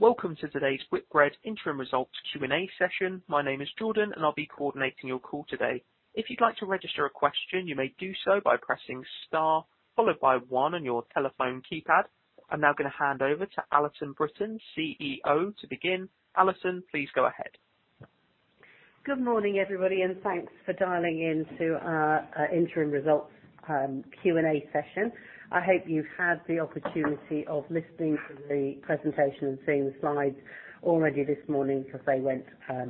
Welcome to today's Whitbread interim results Q&A session. My name is Jordan, and I'll be coordinating your call today. If you'd like to register a question, you may do so by pressing star followed by one on your telephone keypad. I'm now gonna hand over to Alison Brittain, CEO, to begin. Alison, please go ahead. Good morning, everybody, and thanks for dialing in to our interim results Q&A session. I hope you've had the opportunity of listening to the presentation and seeing the slides already this morning because they went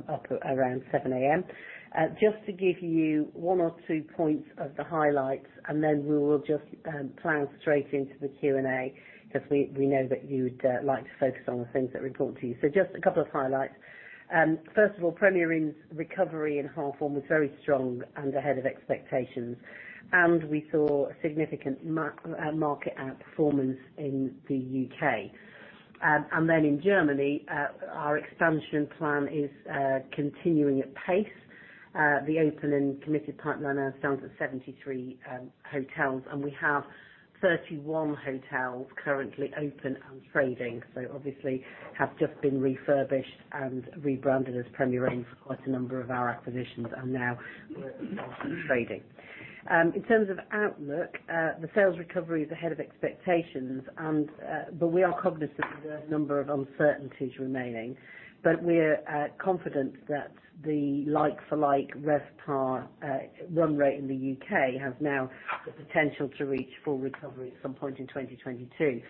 up around 7:00 A.M. Just to give you one or two points of the highlights, and then we will just plow straight into the Q&A because we know that you would like to focus on the things that are important to you. Just a couple of highlights. First of all, Premier Inn's recovery in H1 was very strong and ahead of expectations, and we saw a significant market outperformance in the U.K. Then in Germany, our expansion plan is continuing at pace. The open and committed pipeline now stands at 73 hotels, and we have 31 hotels currently open and trading. Obviously have just been refurbished and rebranded as Premier Inn for quite a number of our acquisitions and now we're trading. In terms of outlook, the sales recovery is ahead of expectations, but we are cognizant of the number of uncertainties remaining. We're confident that the like-for-like RevPAR run rate in the U.K. have now the potential to reach full recovery at some point in 2022.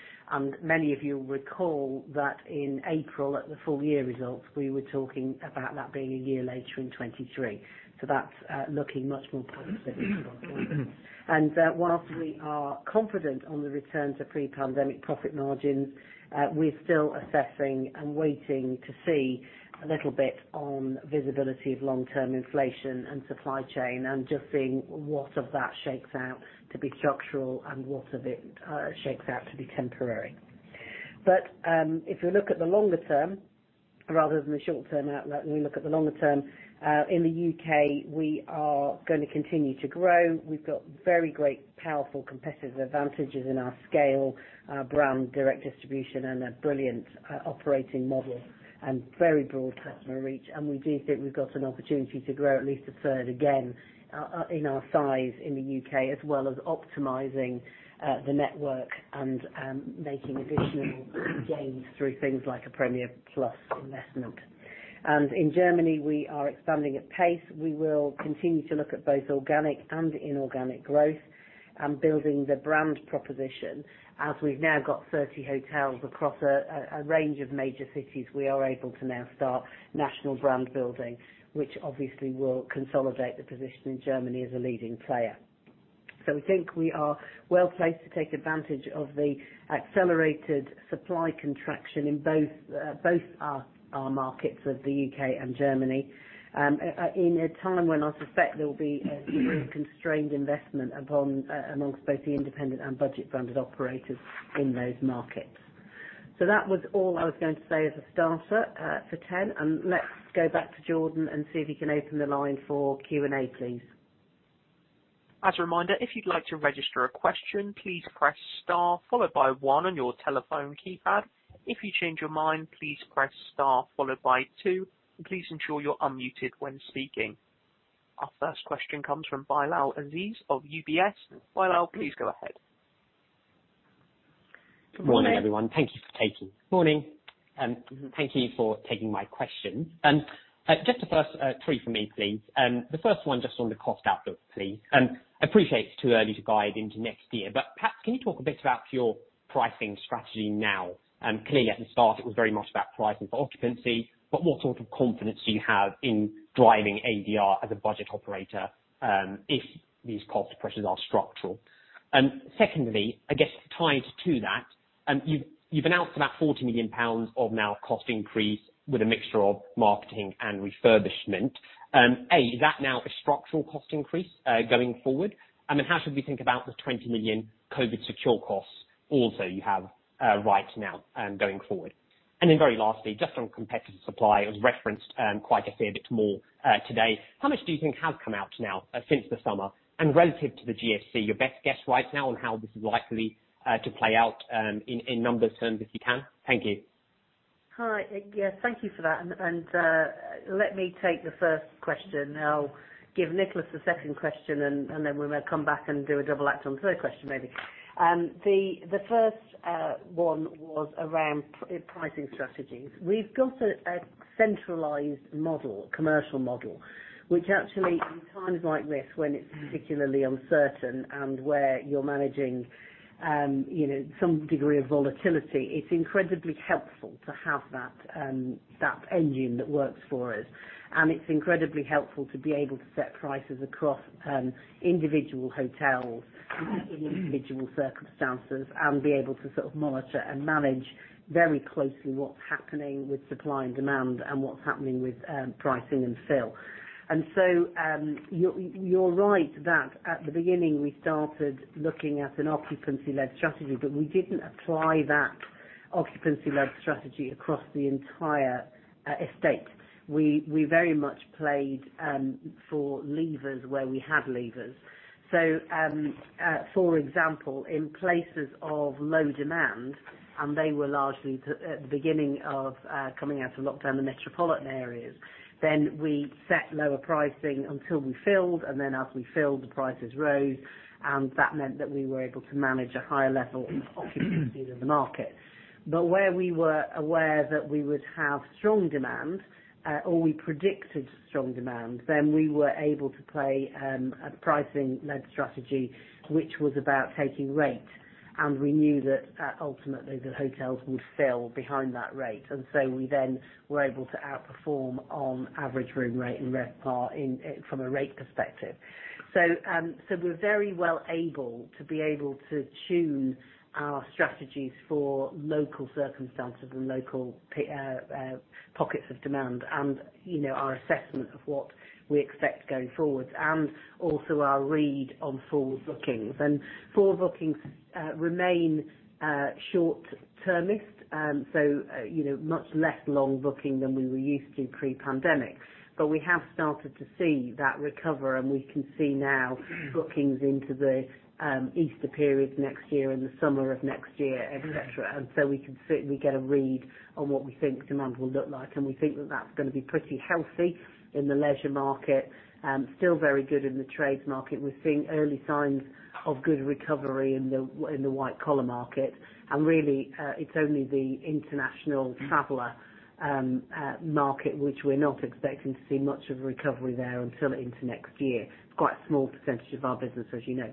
Many of you will recall that in April, at the full year results, we were talking about that being a year later in 2023. That's looking much more positive on point. While we are confident on the return to pre-pandemic profit margins, we're still assessing and waiting to see a little bit on visibility of long-term inflation and supply chain and just seeing what of that shakes out to be structural and what of it shakes out to be temporary. If you look at the longer term rather than the short term, when we look at the longer term, in the U.K., we are gonna continue to grow. We've got very great, powerful competitive advantages in our scale, our brand, direct distribution, and a brilliant operating model and very broad customer reach. We do think we've got an opportunity to grow at least a third again, in our size in the U.K., as well as optimizing the network and making additional gains through things like a Premier Plus investment. In Germany, we are expanding at pace. We will continue to look at both organic and inorganic growth and building the brand proposition. As we've now got 30 hotels across a range of major cities, we are able to now start national brand building, which obviously will consolidate the position in Germany as a leading player. We think we are well placed to take advantage of the accelerated supply contraction in both our markets of the U.K. and Germany, in a time when I suspect there will be really constrained investment amongst both the independent and budget funded operators in those markets. That was all I was going to say as a starter for 10. Let's go back to Jordan and see if you can open the line for Q&A, please. As a reminder, if you'd like to register a question, please press star followed by one on your telephone keypad. If you change your mind, please press star followed by two. Please ensure you're unmuted when speaking. Our first question comes from Bilal Aziz of UBS. Bilal, please go ahead. Good morning. Good morning, everyone. Thank you for taking my question. Just the first three for me, please. The first one just on the cost outlook, please. Appreciate it's too early to guide into next year, but perhaps can you talk a bit about your pricing strategy now? Clearly at the start it was very much about pricing for occupancy, but what sort of confidence do you have in driving ADR as a budget operator, if these cost pressures are structural? Secondly, I guess tied to that, you've announced about 40 million pounds of now cost increase with a mixture of marketing and refurbishment. A, is that now a structural cost increase going forward? How should we think about the 20 million COVID secure costs also you have right now going forward? Very lastly, just on competitive supply, it was referenced quite a fair bit more today. How much do you think has come out now since the summer? Relative to the GFC, your best guess right now on how this is likely to play out in numbers terms, if you can? Thank you. Hi. Yeah, thank you for that. Let me take the first question. I'll give Nicholas the second question, and then we may come back and do a double act on the third question, maybe. The first one was around pricing strategies. We've got a centralized model, commercial model, which actually in times like this, when it's particularly uncertain and where you're managing, you know, some degree of volatility, it's incredibly helpful to have that engine that works for us. It's incredibly helpful to be able to set prices across individual hotels in individual circumstances and be able to sort of monitor and manage very closely what's happening with supply and demand and what's happening with pricing and fill. You're right that at the beginning we started looking at an occupancy-led strategy, but we didn't apply that occupancy-led strategy across the entire estate. We very much pulled levers where we had levers. For example, in places of low demand, and they were largely at the beginning of coming out of lockdown, the metropolitan areas, then we set lower pricing until we filled, and then as we filled, the prices rose. That meant that we were able to manage a higher level of occupancy in the market. Where we were aware that we would have strong demand or we predicted strong demand, then we were able to play a pricing-led strategy, which was about taking rate. We knew that ultimately, the hotels would fill behind that rate. We then were able to outperform on average room rate and RevPAR in from a rate perspective. We're very well able to tune our strategies for local circumstances and local pockets of demand and, you know, our assessment of what we expect going forward and also our read on forward bookings. Forward bookings remain short-termist. You know, much less long booking than we were used to pre-pandemic. But we have started to see that recover, and we can see now bookings into the Easter period next year and the summer of next year, et cetera. We can see, we get a read on what we think demand will look like, and we think that that's gonna be pretty healthy in the leisure market, still very good in the trades market. We're seeing early signs of good recovery in the white collar market. Really, it's only the international traveler market, which we're not expecting to see much of a recovery there until into next year. Quite a small percentage of our business, as you know.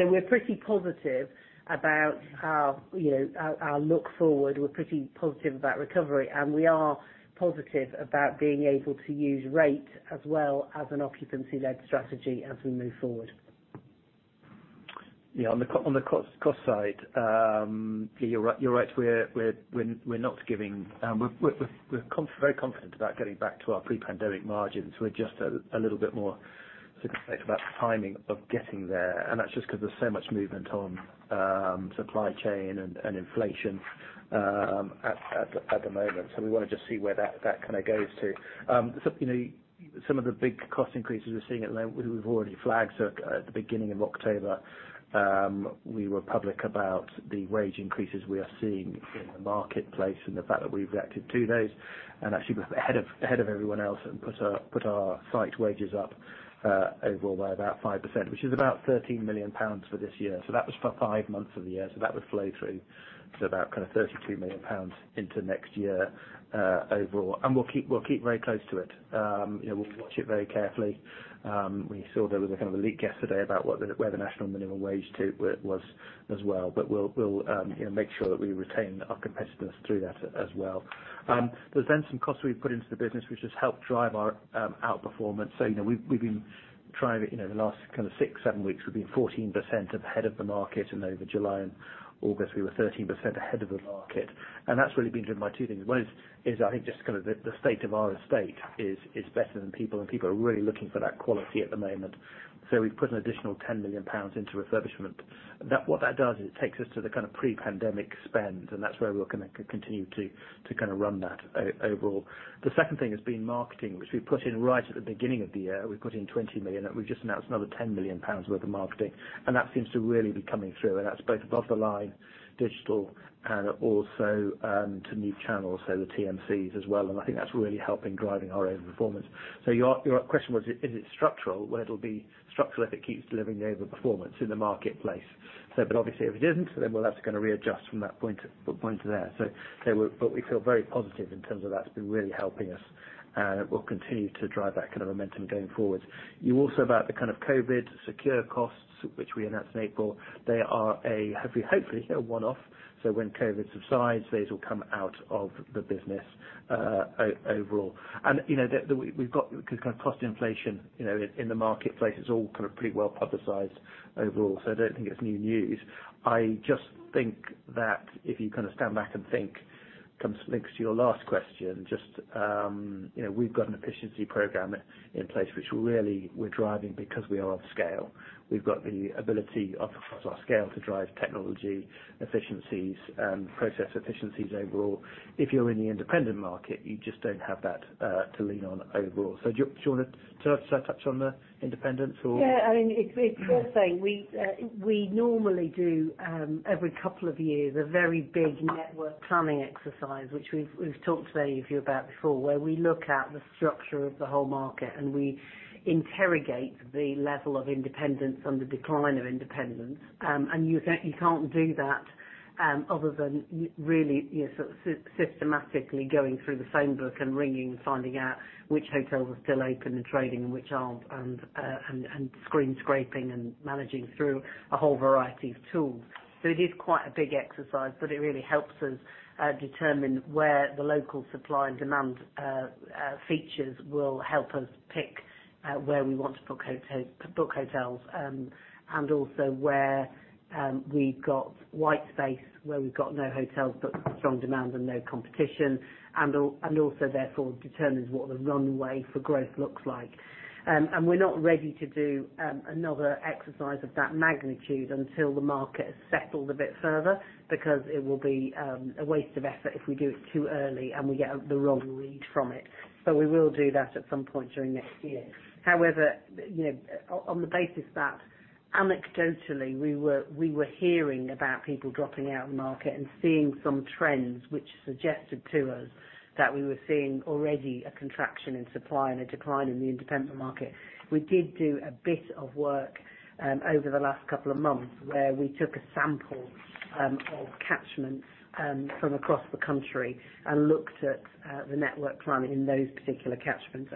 We're pretty positive about how, you know, our look forward. We're pretty positive about recovery, and we are positive about being able to use rate as well as an occupancy-led strategy as we move forward. Yeah, on the cost side, you're right. We're very confident about getting back to our pre-pandemic margins. We're just a little bit more circumspect about the timing of getting there, and that's just 'cause there's so much movement on supply chain and inflation at the moment. We wanna just see where that kinda goes to. You know, some of the big cost increases we're seeing at the moment, we've already flagged at the beginning of October. We were public about the wage increases we are seeing in the marketplace and the fact that we've reacted to those, and actually was ahead of everyone else and put our site wages up overall by about 5%, which is about 13 million pounds for this year. That was for five months of the year. That would flow through to about kind of 32 million pounds into next year, overall. We'll keep very close to it. You know, we'll watch it very carefully. We saw there was a kind of a leak yesterday about what the national minimum wage was as well, but we'll you know, make sure that we retain our competitiveness through that as well. There's some costs we've put into the business, which has helped drive our outperformance. You know, we've been trying, you know, in the last kind of six, seven weeks, we've been 14% ahead of the market, and over July and August, we were 13% ahead of the market. That's really been driven by two things. One is I think just kind of the state of our estate is better than people, and people are really looking for that quality at the moment. We've put an additional 10 million pounds into refurbishment. What that does is it takes us to the kind of pre-pandemic spend, and that's where we'll continue to kind of run that overall. The second thing has been marketing, which we put in right at the beginning of the year. We put in 20 million, and we've just announced another 10 million pounds worth of marketing. That seems to really be coming through, and that's both above the line, digital, and also to new channels, so the TMCs as well. I think that's really helping driving our own performance. Your question was, is it structural? Well, it'll be structural if it keeps delivering the overperformance in the marketplace. But obviously, if it isn't, then we'll have to kind of readjust from that point there. We feel very positive in terms of that. It's been really helping us, and it will continue to drive that kind of momentum going forward. You asked about the kind of COVID secure costs, which we announced in April. They are, hopefully, a one-off. When COVID subsides, those will come out of the business overall. You know, we've got kind of cost inflation, you know, in the marketplace. It's all kind of pretty well publicized overall. I don't think it's new news. I just think that if you kind of stand back and think, it comes linking to your last question. Just, we've got an efficiency program in place which really we're driving because we are of scale. We've got the ability across our scale to drive technology efficiencies, process efficiencies overall. If you're in the independent market, you just don't have that to lean on overall. Do you wanna touch on the independents or? Yeah, I mean, it's worth saying we normally do every couple of years a very big network planning exercise, which we've talked to many of you about before, where we look at the structure of the whole market, and we interrogate the level of independence and the decline of independence. You can't do that other than really you sort of systematically going through the phone book and ringing, finding out which hotels are still open and trading and which aren't, and screen scraping and managing through a whole variety of tools. It is quite a big exercise, but it really helps us determine where the local supply and demand features will help us pick where we want to book hotels, and also where we've got white space, where we've got no hotels but strong demand and no competition, and also therefore determines what the runway for growth looks like. We're not ready to do another exercise of that magnitude until the market has settled a bit further because it will be a waste of effort if we do it too early, and we get the wrong read from it. We will do that at some point during next year. However, you know, on the basis that anecdotally we were hearing about people dropping out of the market and seeing some trends which suggested to us that we were seeing already a contraction in supply and a decline in the independent market. We did do a bit of work over the last couple of months where we took a sample of catchments from across the country and looked at the network planning in those particular catchments.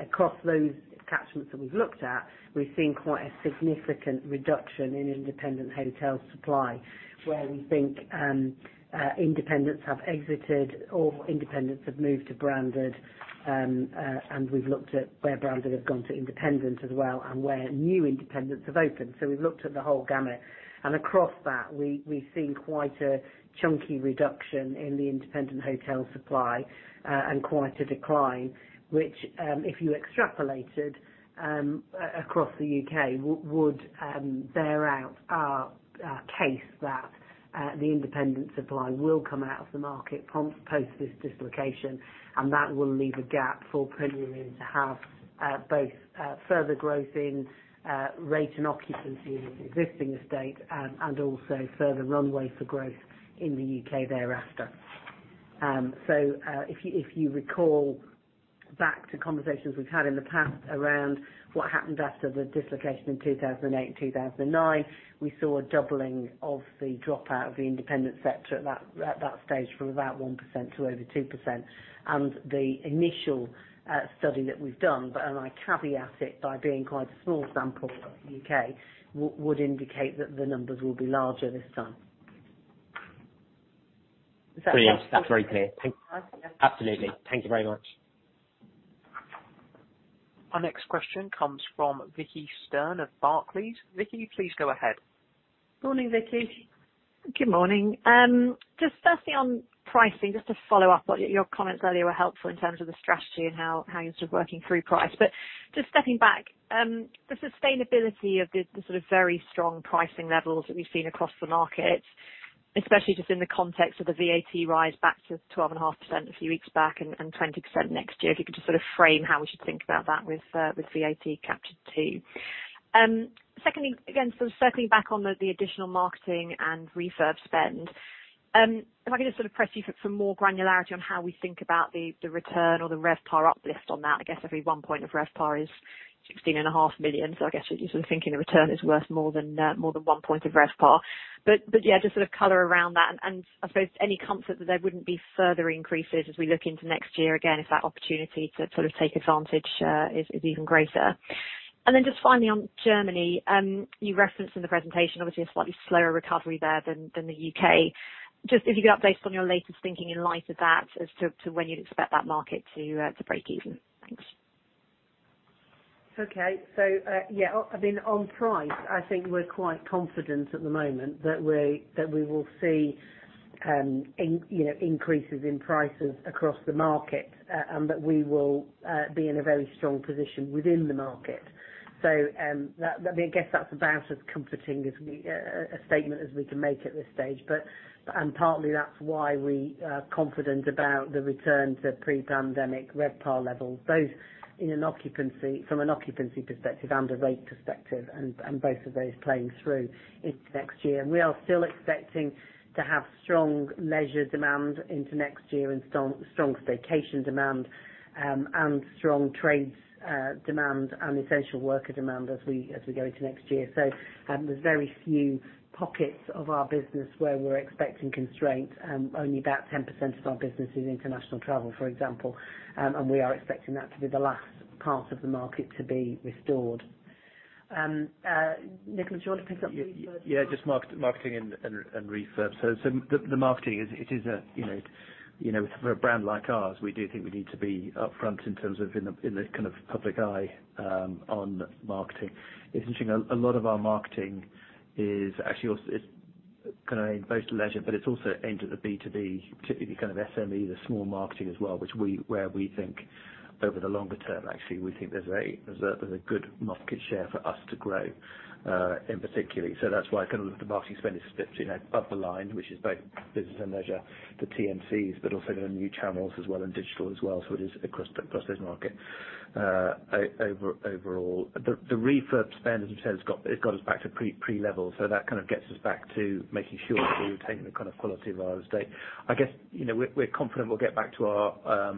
Across those catchments that we've looked at, we've seen quite a significant reduction in independent hotel supply, where we think independents have exited or independents have moved to branded. We've looked at where branded have gone to independent as well and where new independents have opened. We've looked at the whole gamut. Across that, we've seen quite a chunky reduction in the independent hotel supply, and quite a decline, which, if you extrapolated across the U.K., would bear out our case that the independent supply will come out of the market promptly post this dislocation, and that will leave a gap for Premier Inn to have both further growth in rate and occupancy in its existing estate and also further runway for growth in the U.K. thereafter. If you recall back to conversations we've had in the past around what happened after the dislocation in 2008 and 2009, we saw a doubling of the dropout of the independent sector at that stage from about 1% to over 2%. The initial study that we've done, but I caveat it by being quite a small sample of the U.K., would indicate that the numbers will be larger this time. Brilliant. That's very clear. Okay. Thank you. Absolutely. Thank you very much. Our next question comes from Vicki Stern of Barclays. Vicki, please go ahead. Morning, Vicki. Good morning. Just firstly on pricing, just to follow up, what your comments earlier were helpful in terms of the strategy and how you're sort of working through price. Just stepping back, the sustainability of the sort of very strong pricing levels that we've seen across the market, especially just in the context of the VAT rise back to 12.5% a few weeks back and 20% next year, if you could just sort of frame how we should think about that with VAT captured too. Secondly, again, sort of circling back on the additional marketing and refurb spend, if I could just sort of press you for more granularity on how we think about the return or the RevPAR uplift on that. I guess every 1 point of RevPAR is 16.5 million. So I guess you're sort of thinking the return is worth more than one point of RevPAR. Yeah, just sort of color around that and I suppose any comfort that there wouldn't be further increases as we look into next year, again, if that opportunity to sort of take advantage is even greater. Just finally on Germany, you referenced in the presentation obviously a slightly slower recovery there than the U.K. Just if you could update on your latest thinking in light of that as to when you'd expect that market to break even. Thanks. Okay. I mean, on price, I think we're quite confident at the moment that we will see, in, you know, increases in prices across the market, and that we will be in a very strong position within the market. That, I mean, I guess that's about as comforting a statement as we can make at this stage. Partly that's why we are confident about the return to pre-pandemic RevPAR levels, both from an occupancy perspective and a rate perspective, and both of those playing through into next year. We are still expecting to have strong leisure demand into next year and strong staycation demand, and strong trade demand and essential worker demand as we go into next year. There's very few pockets of our business where we're expecting constraint, only about 10% of our business is international travel, for example. We are expecting that to be the last part of the market to be restored. Nicholas, do you want to pick up the refurb? Yeah, just marketing and refurb. The marketing is, you know, for a brand like ours, we do think we need to be upfront in terms of in the kind of public eye on marketing. It's interesting, a lot of our marketing is actually it's kind of aimed both to leisure, but it's also aimed at the B2B, typically the kind of SME, the small market as well, where we think over the longer term, actually, we think there's a good market share for us to grow in particular. That's why kind of the marketing spend is split, you know, above the line, which is both business and leisure, the TMCs, but also the new channels as well, and digital as well. It is across those markets. Overall, the refurb spend, as you said, has got us back to pre-level. That kind of gets us back to making sure that we're taking the kind of quality of our estate. You know, we're confident we'll get back to our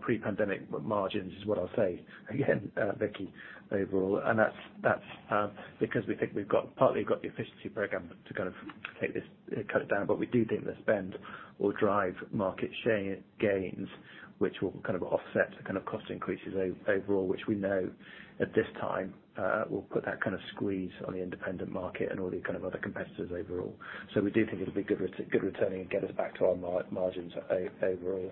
pre-pandemic margins is what I'll say again, Vicki, overall. That's because we think we've partly got the efficiency program to kind of take this, cut it down, but we do think the spend will drive market share gains, which will kind of offset the kind of cost increases overall, which we know at this time will put that kind of squeeze on the independent market and all the kind of other competitors overall. We do think it'll be good return and get us back to our margins overall.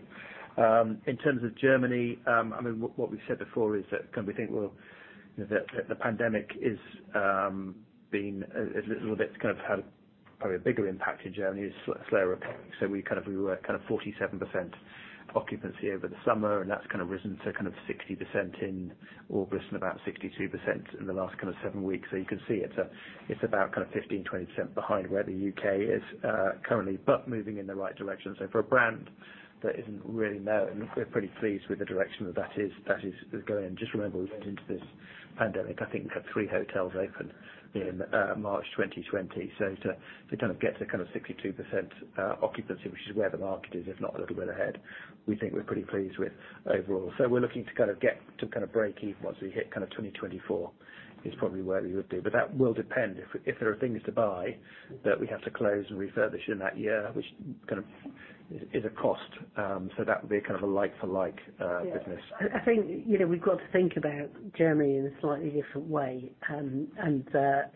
In terms of Germany, I mean, what we've said before is that we think the pandemic has had probably a bigger impact in Germany with a slower recovery. We were 47% occupancy over the summer, and that's risen to 60% in August and about 62% in the last seven weeks. You can see it's about 15%-20% behind where the U.K. is currently, but moving in the right direction. For a brand that isn't really known, we're pretty pleased with the direction that is going. Just remember, we went into this pandemic. I think we had three hotels open in March 2020. To kind of get to kind of 62% occupancy, which is where the market is, if not a little bit ahead, we think we're pretty pleased overall. We're looking to kind of get to kind of break even once we hit kind of 2024, which is probably where we would do. That will depend if there are things to buy that we have to close and refurbish in that year, which kind of is a cost. That would be kind of a like for like business. Yeah. I think, you know, we've got to think about Germany in a slightly different way and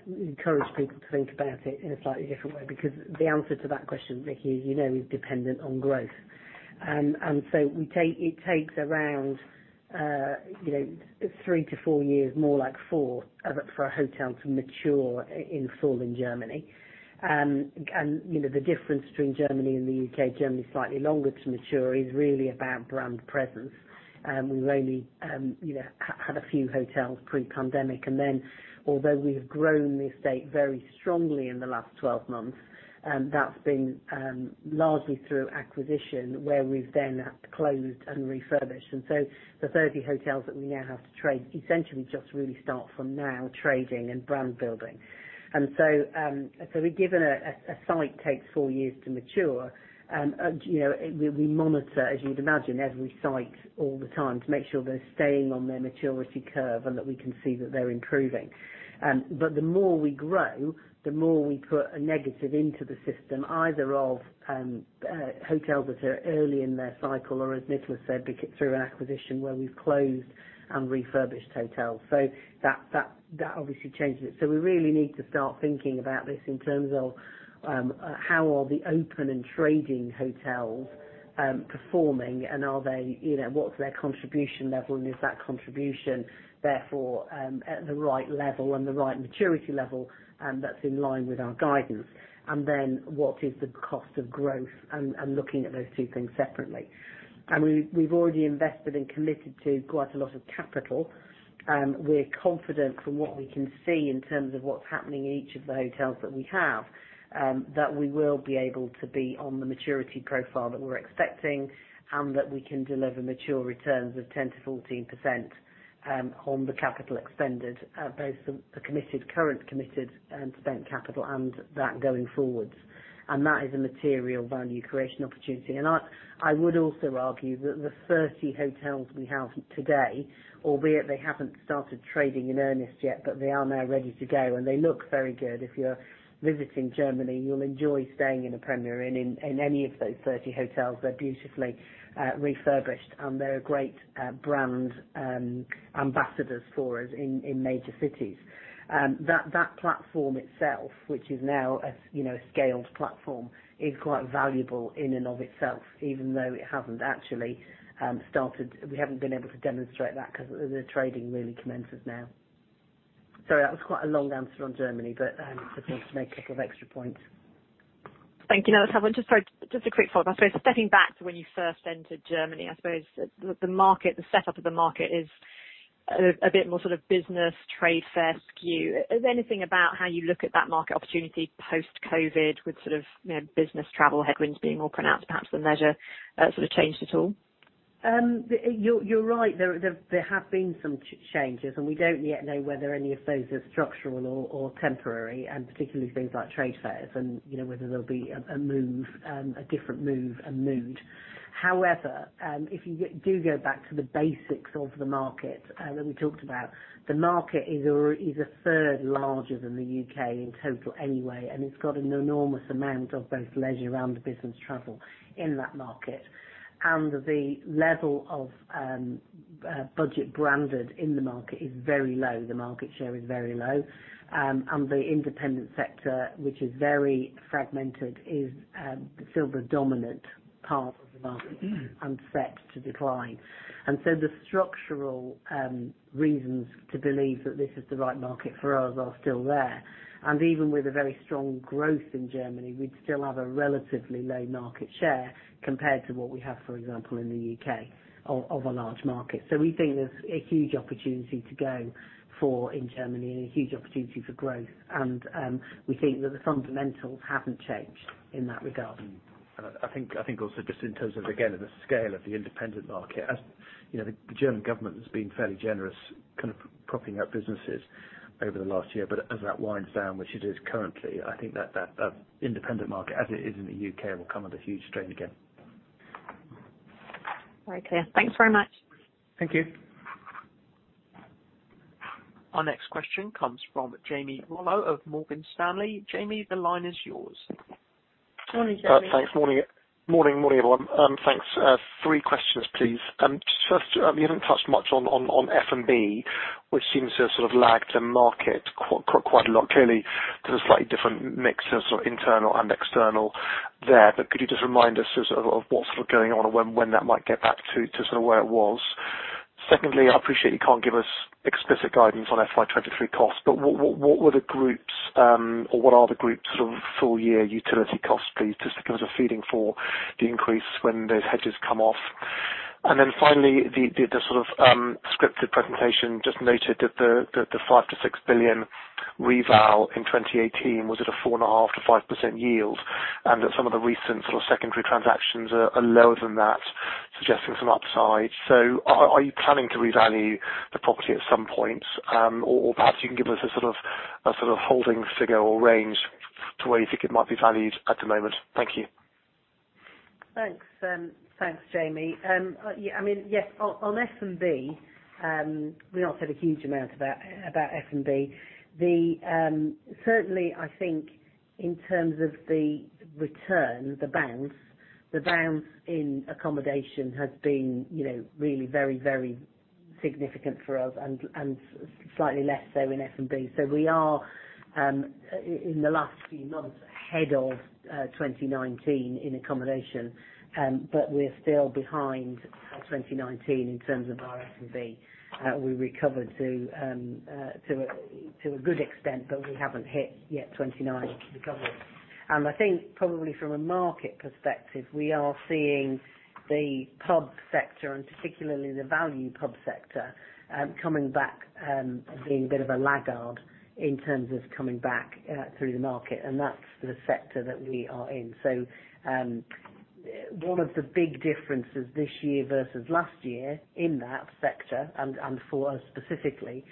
encourage people to think about it in a slightly different way, because the answer to that question, Vicki, you know, is dependent on growth. It takes around, you know, three to four years, more like four, for a hotel to mature in full in Germany. You know, the difference between Germany and the U.K., Germany slightly longer to mature, is really about brand presence. We've only, you know, had a few hotels pre-pandemic. Then although we've grown the estate very strongly in the last 12 months, that's been largely through acquisition, where we've then closed and refurbished. The 30 hotels that we now have to trade essentially just really start from now trading and brand building. We've given that a site takes four years to mature. You know, we monitor, as you'd imagine, every site all the time to make sure they're staying on their maturity curve and that we can see that they're improving. But the more we grow, the more we put a negative into the system, either of hotels that are early in their cycle or, as Nicholas said, through an acquisition where we've closed and refurbished hotels. That obviously changes it. We really need to start thinking about this in terms of, how are the open and trading hotels, performing and are they, you know, what's their contribution level and is that contribution therefore, at the right level and the right maturity level, that's in line with our guidance. Then what is the cost of growth and looking at those two things separately. We've already invested and committed to quite a lot of capital. We're confident from what we can see in terms of what's happening in each of the hotels that we have, that we will be able to be on the maturity profile that we're expecting and that we can deliver mature returns of 10%-14%, on the capital expended, both the current committed spent capital and that going forwards. That is a material value creation opportunity. I would also argue that the 30 hotels we have today, albeit they haven't started trading in earnest yet, but they are now ready to go and they look very good. If you're visiting Germany, you'll enjoy staying in a Premier Inn in any of those 30 hotels. They're beautifully refurbished, and they're great brand ambassadors for us in major cities. That platform itself, which is now a you know a scaled platform, is quite valuable in and of itself, even though it hasn't actually started. We haven't been able to demonstrate that because the trading really commences now. Sorry, that was quite a long answer on Germany, but I just wanted to make a couple of extra points. Thank you. I just had a quick follow-up. I suppose stepping back to when you first entered Germany, I suppose the market, the setup of the market is a bit more sort of business, trade fair skew. Has anything about how you look at that market opportunity post-COVID with sort of, you know, business travel headwinds being more pronounced perhaps than leisure, sort of changed at all? You're right. There have been some changes, and we don't yet know whether any of those are structural or temporary, and particularly things like trade fairs and, you know, whether there'll be a different move and mood. However, if you do go back to the basics of the market that we talked about, the market is 1/3 larger than the U.K. in total anyway, and it's got an enormous amount of both leisure and business travel in that market. The level of budget branded in the market is very low. The market share is very low. The independent sector, which is very fragmented, is still the dominant part of the market and set to decline. The structural reasons to believe that this is the right market for us are still there. Even with a very strong growth in Germany, we'd still have a relatively low market share compared to what we have, for example, in the U.K. of a large market. We think there's a huge opportunity to go for in Germany and a huge opportunity for growth. We think that the fundamentals haven't changed in that regard. I think also just in terms of, again, the scale of the independent market, as you know, the German government has been fairly generous kind of propping up businesses over the last year. As that winds down, which it is currently, I think that independent market, as it is in the U.K., will come under huge strain again. Very clear. Thanks very much. Thank you. Our next question comes from Jamie Rollo of Morgan Stanley. Jamie, the line is yours. Morning, Jamie. Thanks. Morning, everyone. Thanks. Three questions, please. Just first, you haven't touched much on F&B, which seems to have sort of lagged the market quite a lot clearly due to the slightly different mix of sort of internal and external there. Could you just remind us just of what's sort of going on and when that might get back to sort of where it was? Secondly, I appreciate you can't give us explicit guidance on FY 2023 costs, but what were the group's or what are the group's sort of full year utility costs please? Just to get a feeling for the increase when those hedges come off. The scripted presentation just noted that the 5 billion-6 billion reval in 2018 was at a 4.5%-5% yield, and that some of the recent sort of secondary transactions are lower than that, suggesting some upside. Are you planning to revalue the property at some point? Or perhaps you can give us a sort of holding figure or range to where you think it might be valued at the moment. Thank you. Thanks, Jamie. Yeah, I mean, yes, on F&B, we all said a huge amount about F&B. Certainly, I think in terms of the return, the bounce in accommodation has been, you know, really very significant for us and slightly less so in F&B. We are in the last few months ahead of 2019 in accommodation. We're still behind 2019 in terms of our F&B. We recovered to a good extent, but we haven't hit yet 2019 recovery. I think probably from a market perspective, we are seeing the pub sector and particularly the value pub sector coming back, being a bit of a laggard in terms of coming back through the market, and that's the sector that we are in. One of the big differences this year versus last year in that sector and for us specifically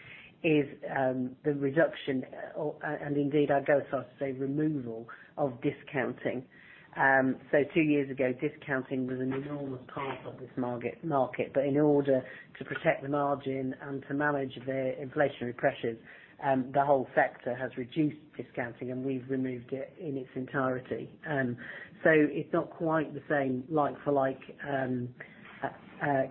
is the reduction or and indeed I'd go so far as to say removal of discounting. Two years ago, discounting was an enormous part of this market, but in order to protect the margin and to manage the inflationary pressures, the whole sector has reduced discounting, and we've removed it in its entirety. It's not quite the same like for like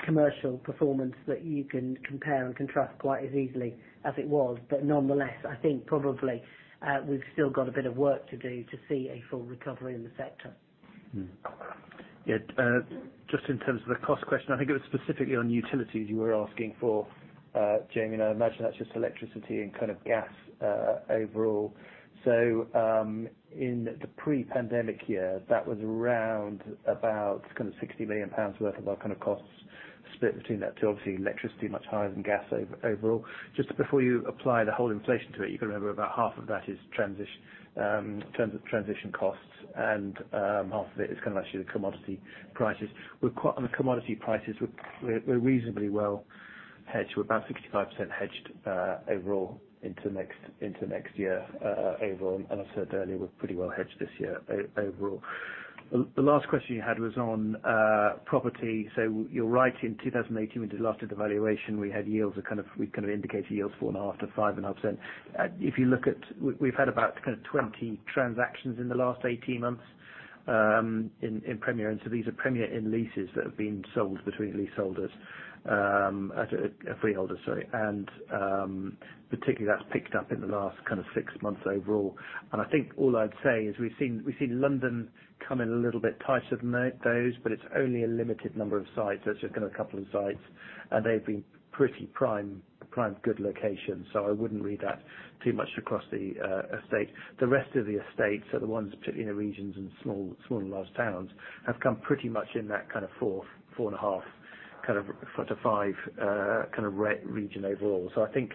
commercial performance that you can compare and contrast quite as easily as it was. Nonetheless, I think probably we've still got a bit of work to do to see a full recovery in the sector. Yeah, just in terms of the cost question, I think it was specifically on utilities you were asking for, Jamie, and I imagine that's just electricity and kind of gas overall. In the pre-pandemic year, that was around 60 million pounds worth of our costs split between those two. Obviously, electricity much higher than gas overall. Just before you apply the whole inflation to it, you can remember about half of that is transition costs and half of it is actually the commodity prices. On the commodity prices, we're reasonably well hedged. We're about 65% hedged overall into next year overall. I said earlier, we're pretty well hedged this year overall. The last question you had was on property. You're right, in 2018, we did the last valuation. We had yields of kind of 4.5%-5.5%. If you look at, we've had about kind of 20 transactions in the last 18 months in Premier Inn. These are Premier Inn leases that have been sold between leaseholders, freeholders, sorry. Particularly that's picked up in the last kind of six months overall. I think all I'd say is we've seen London come in a little bit tighter than those, but it's only a limited number of sites. It's just kind of a couple of sites, and they've been pretty prime good locations. I wouldn't read that too much across the estate. The rest of the estate, so the ones particularly in the regions and small and large towns, have come pretty much in that kind of 4.5%, kind of 4%-5%, kind of region overall. I think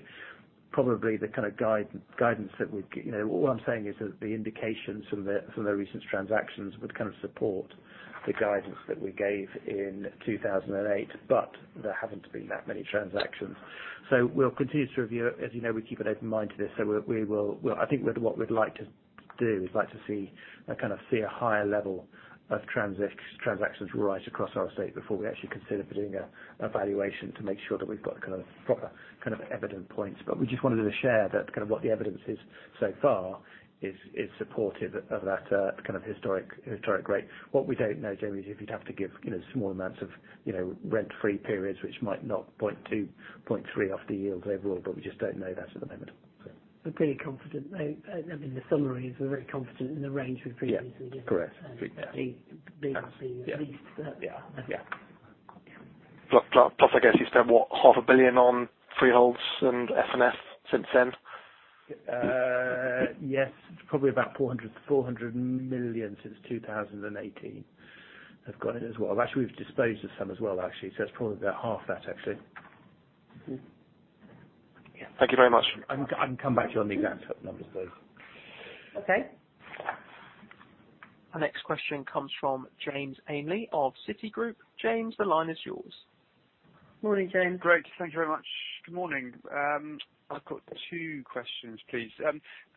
probably the kind of guidance that we'd you know, all I'm saying is that the indications from the recent transactions would kind of support the guidance that we gave in 2008, but there haven't been that many transactions. We'll continue to review. As you know, we keep an open mind to this. I think what we'd like to do is like to see a higher level of transactions right across our estate before we actually consider doing a valuation to make sure that we've got kind of proper kind of evidence points. But we just wanted to share that what the evidence is so far is supportive of that kind of historic rate. What we don't know, Jamie, is if you'd have to give small amounts of rent-free periods which might knock 0.2%, 0.3% off the yields overall, but we just don't know that at the moment. We're pretty confident. I mean, the summary is we're very confident in the range we've previously given. Yeah. Correct. I think being able to at least, Yeah. Yeah. Plus, I guess you spent what? 500 million on freeholds and FF&E since then. Yes, probably about 400 million since 2018 have gone in as well. Actually, we've disposed of some as well, actually. It's probably about half that actually. Thank you very much. I can come back to you on the exact numbers, though. Okay. Our next question comes from James Ainley of Citigroup. James, the line is yours. Morning, James. Great. Thank you very much. Good morning. I've got two questions, please.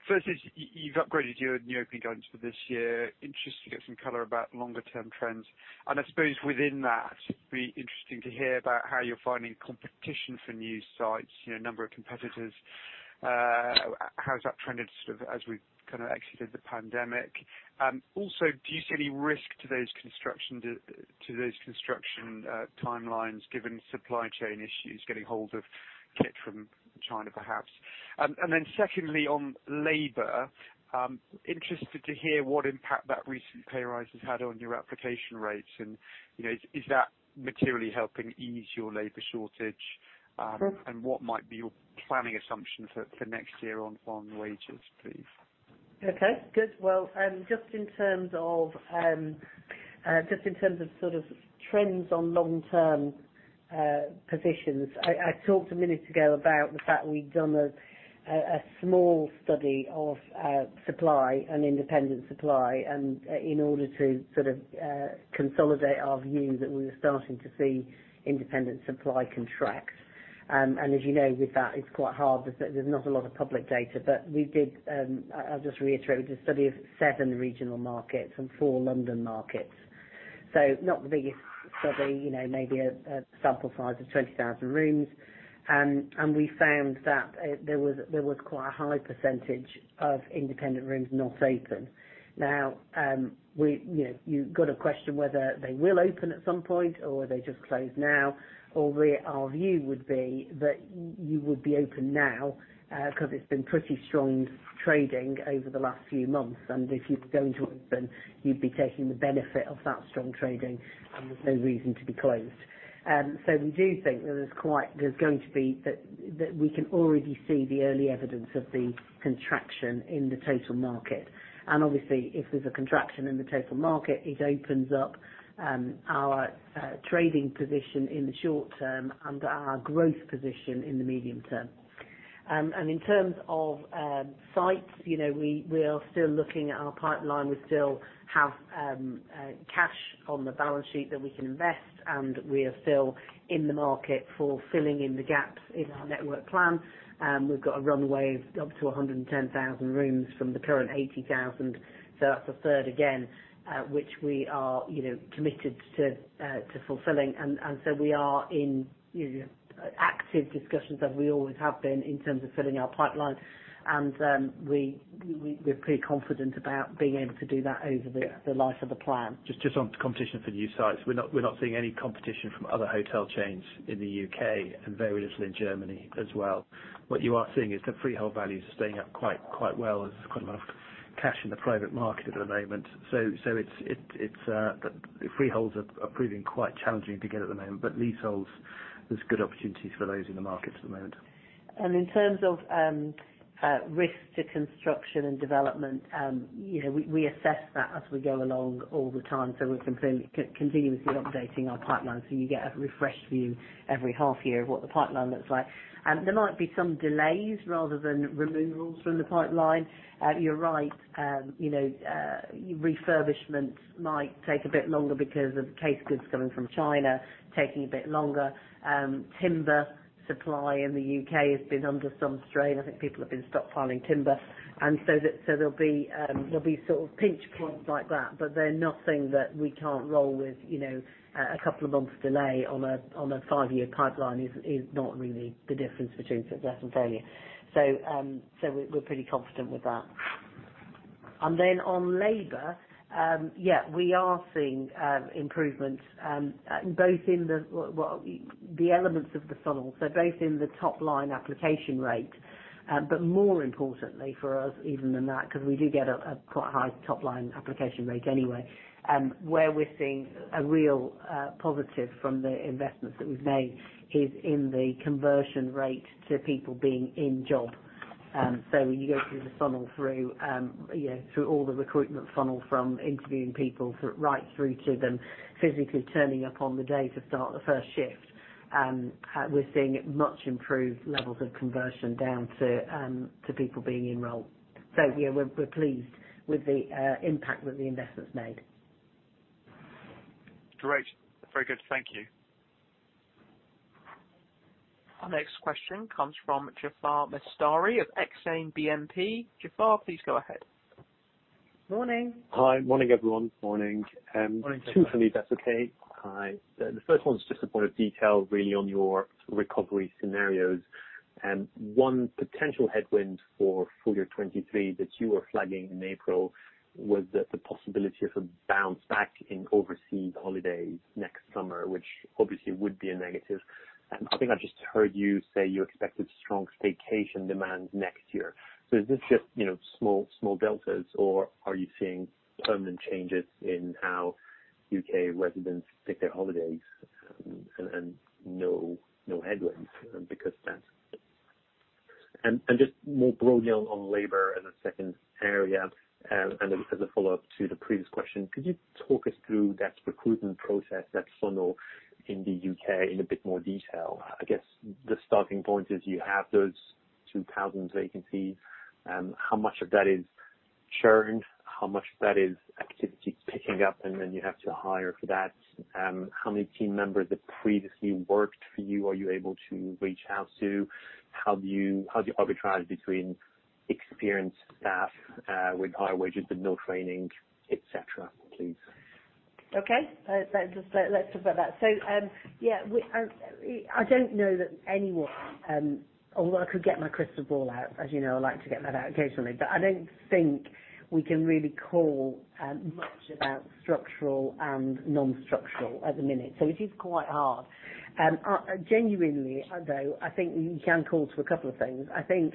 First is you've upgraded your new opening guidance for this year. I'm interested to get some color about longer term trends. I suppose within that, it'd be interesting to hear about how you're finding competition for new sites, you know, number of competitors, how's that trended sort of as we've kind of exited the pandemic. Also, do you see any risk to those construction timelines, given supply chain issues, getting hold of kit from China perhaps? Secondly, on labor, I'm interested to hear what impact that recent pay raise has had on your application rates and, you know, is that materially helping ease your labor shortage? What might be your planning assumption for next year on wages, please? Okay, good. Well, just in terms of sort of trends on long-term positions, I talked a minute ago about the fact we'd done a small study of supply and independent supply and in order to sort of consolidate our view that we were starting to see independent supply contract. As you know, with that, it's quite hard as there's not a lot of public data. We did. I'll just reiterate, we did a study of seven regional markets and four London markets. Not the biggest study, you know, maybe a sample size of 20,000 rooms. We found that there was quite a high percentage of independent rooms not open. Now, we, you know, you've got to question whether they will open at some point or are they just closed now, or our view would be that you would be open now, 'cause it's been pretty strong trading over the last few months, and if you're going to open, you'd be taking the benefit of that strong trading, and there's no reason to be closed. So we do think that there's going to be that we can already see the early evidence of the contraction in the total market. Obviously, if there's a contraction in the total market, it opens up our trading position in the short term and our growth position in the medium term. In terms of sites, you know, we are still looking at our pipeline. We still have cash on the balance sheet that we can invest, and we are still in the market for filling in the gaps in our network plan. We've got a runway of up to 110,000 rooms from the current 80,000. That's a third again, which we are, you know, committed to fulfilling. We are in, you know, active discussions as we always have been in terms of filling our pipeline, and we're pretty confident about being able to do that over the life of the plan. Just on competition for new sites. We're not seeing any competition from other hotel chains in the U.K. and very little in Germany as well. What you are seeing is the freehold values are staying up quite well. There's quite a lot of cash in the private market at the moment. So it's the freeholds are proving quite challenging to get at the moment, but leaseholds, there's good opportunities for those in the market at the moment. In terms of risk to construction and development, you know, we assess that as we go along all the time, so we're continuously updating our pipeline, so you get a refreshed view every half year of what the pipeline looks like. There might be some delays rather than removals from the pipeline. You're right, you know, refurbishment might take a bit longer because of case goods coming from China, taking a bit longer. Timber supply in the U.K. has been under some strain. I think people have been stockpiling timber. So there'll be sort of pinch points like that, but they're nothing that we can't roll with, you know. A couple of months delay on a five-year pipeline is not really the difference between success and failure. We're pretty confident with that. Then on labor, yeah, we are seeing improvements, both in the, well, the elements of the funnel, so both in the top line application rate. More importantly for us even than that, 'cause we do get a quite high top line application rate anyway, where we're seeing a real positive from the investments that we've made is in the conversion rate to people being in job. When you go through the funnel through, you know, through all the recruitment funnel from interviewing people through, right through to them physically turning up on the day to start the first shift, we're seeing much improved levels of conversion down to people being enrolled. Yeah, we're pleased with the impact that the investment's made. Great. Very good. Thank you. Our next question comes from Jaafar Mestari of Exane BNP. Jaafar, please go ahead. Morning. Hi. Morning, everyone. Morning. Morning Jaafar. Two for me, if that's okay. Hi. The first one's just a point of detail really on your recovery scenarios. One potential headwind for full year 2023 that you were flagging in April was the possibility of a bounce back in overseas holidays next summer, which obviously would be a negative. I think I just heard you say you expected strong staycation demand next year. Is this just, you know, small deltas, or are you seeing permanent changes in how U.K. residents take their holidays and no headwinds because of that? Just more broadly on labor and the second area, as a follow-up to the previous question, could you talk us through that recruitment process, that funnel in the U.K. in a bit more detail? I guess the starting point is you have those 2,000 vacancies. How much of that is churn, how much is activity picking up and then you have to hire for that. How many team members that previously worked for you are you able to reach out to? How do you arbitrage between experienced staff with higher wages but no training, et cetera, please? Okay. Let's just talk about that. I don't know that anyone, although I could get my crystal ball out. As you know, I like to get that out occasionally. I don't think we can really call much about structural and non-structural at the minute. It is quite hard. Genuinely, I think we can call to a couple of things. I think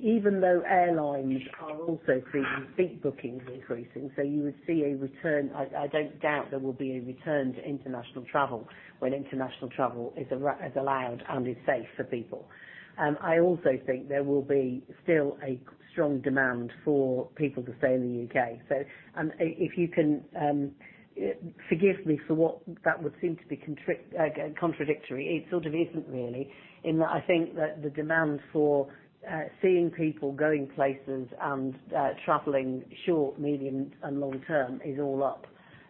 even though airlines are also seeing big bookings increasing, you would see a return. I don't doubt there will be a return to international travel when international travel is allowed and is safe for people. I also think there will still be a strong demand for people to stay in the U.K. If you can forgive me for what that would seem to be contradictory, it sort of isn't really, in that I think that the demand for seeing people going places and traveling short, medium, and long term is all up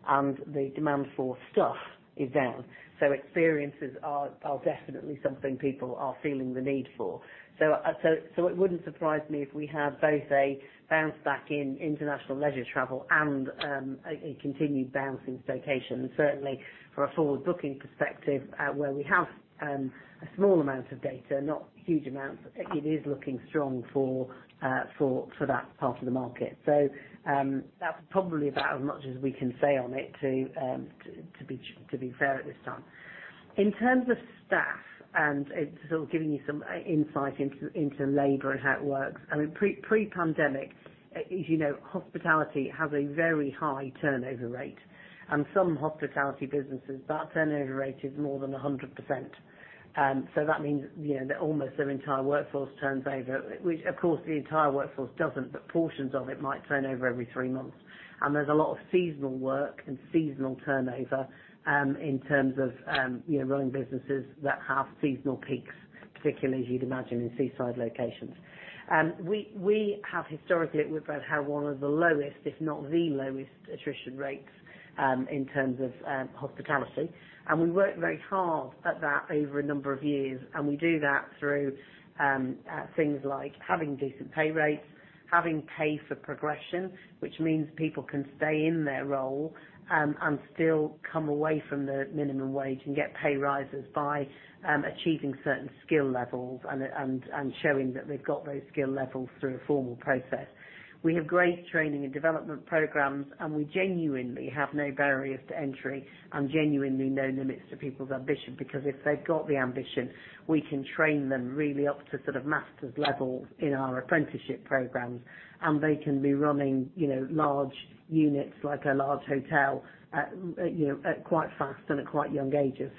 and the demand for stuff is down. Experiences are definitely something people are feeling the need for. It wouldn't surprise me if we have both a bounce back in international leisure travel and a continued bounce in staycations. Certainly from a forward-booking perspective, where we have a small amount of data, not huge amounts, it is looking strong for that part of the market. That's probably about as much as we can say on it to be fair at this time. In terms of staff, and sort of giving you some insight into labor and how it works. I mean, pre-pandemic, as you know, hospitality has a very high turnover rate. Some hospitality businesses, that turnover rate is more than 100%. So that means, you know, almost their entire workforce turns over, which of course the entire workforce doesn't, but portions of it might turn over every three months. There's a lot of seasonal work and seasonal turnover in terms of, you know, running businesses that have seasonal peaks, particularly as you'd imagine in seaside locations. We have historically at Whitbread had one of the lowest, if not the lowest attrition rates in terms of hospitality. We worked very hard at that over a number of years. We do that through things like having decent pay rates, having pay for progression, which means people can stay in their role and still come away from the minimum wage and get pay rises by achieving certain skill levels and showing that they've got those skill levels through a formal process. We have great training and development programs, and we genuinely have no barriers to entry and genuinely no limits to people's ambition. Because if they've got the ambition, we can train them really up to sort of master's level in our apprenticeship programs, and they can be running, you know, large units like a large hotel at, you know, at quite fast and at quite young ages.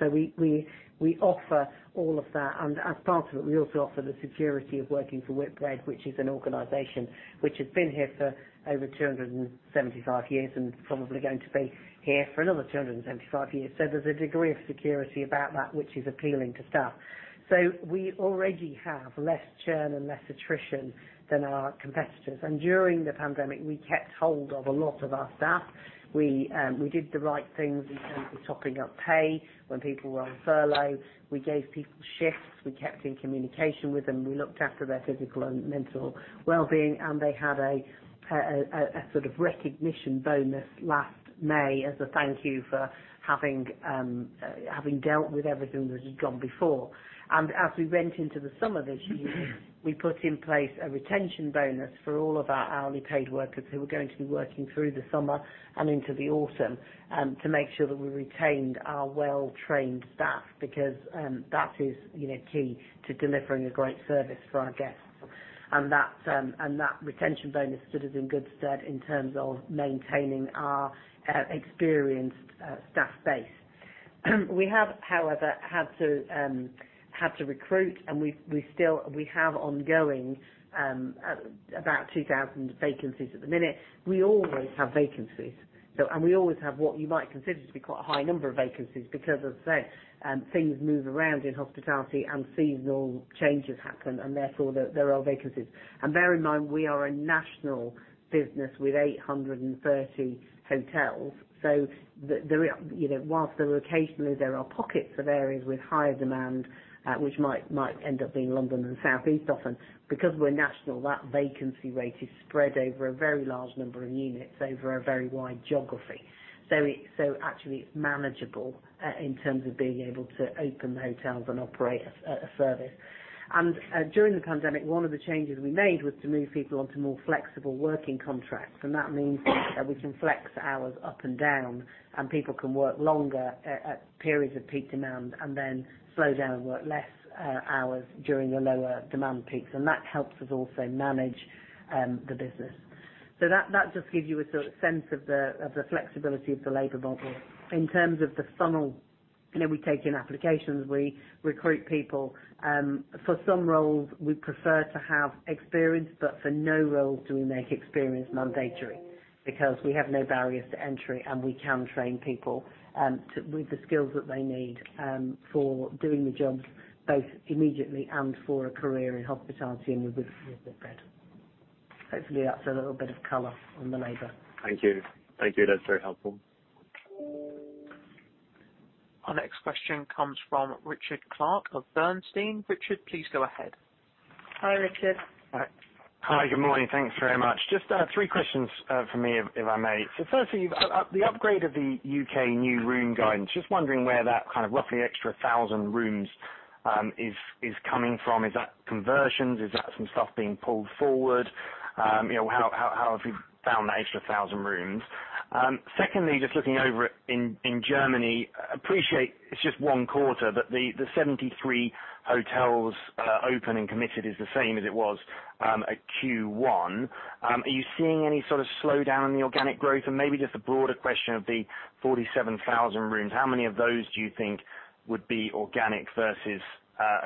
We offer all of that. As part of it, we also offer the security of working for Whitbread, which is an organization which has been here for over 275 years and probably going to be here for another 275 years. There's a degree of security about that which is appealing to staff. We already have less churn and less attrition than our competitors. During the pandemic, we kept hold of a lot of our staff. We did the right things in terms of topping up pay when people were on furlough. We gave people shifts, we kept in communication with them. We looked after their physical and mental well-being, and they had a sort of recognition bonus last May as a thank you for having dealt with everything that had gone before. As we went into the summer this year, we put in place a retention bonus for all of our hourly paid workers who were going to be working through the summer and into the autumn, to make sure that we retained our well-trained staff because that is, you know, key to delivering a great service for our guests. That retention bonus stood us in good stead in terms of maintaining our experienced staff base. We have, however, had to recruit and we still have ongoing about 2,000 vacancies at the minute. We always have vacancies. We always have what you might consider to be quite a high number of vacancies because as I say, things move around in hospitality and seasonal changes happen and therefore there are vacancies. Bear in mind, we are a national business with 830 hotels. There, you know, while locationally there are pockets of areas with higher demand, which might end up being London and South East often, because we're national, that vacancy rate is spread over a very large number of units over a very wide geography. Actually it's manageable in terms of being able to open the hotels and operate a service. During the pandemic, one of the changes we made was to move people onto more flexible working contracts. That means that we can flex hours up and down and people can work longer at periods of peak demand and then slow down and work less hours during the lower demand peaks. That helps us also manage the business. That just gives you a sort of sense of the flexibility of the labor model. In terms of the funnel, you know, we take in applications, we recruit people. For some roles we prefer to have experience, but for no roles do we make experience mandatory because we have no barriers to entry, and we can train people with the skills that they need for doing the jobs both immediately and for a career in hospitality and with Whitbread. Hopefully that's a little bit of color on the labor. Thank you. Thank you. That's very helpful. Our next question comes from Richard Clarke of Bernstein. Richard, please go ahead. Hi, Richard. Hi. Hi, good morning. Thanks very much. Just three questions from me if I may. Firstly, the upgrade of the U.K. new room guidance, just wondering where that kind of roughly extra 1,000 rooms is coming from. Is that conversions? Is that some stuff being pulled forward? You know, how have you found the extra 1,000 rooms? Secondly, just looking over it in Germany, appreciate it's just one quarter, but the 73 hotels open and committed is the same as it was at Q1. Are you seeing any sort of slowdown in the organic growth? And maybe just a broader question of the 47,000 rooms, how many of those do you think would be organic versus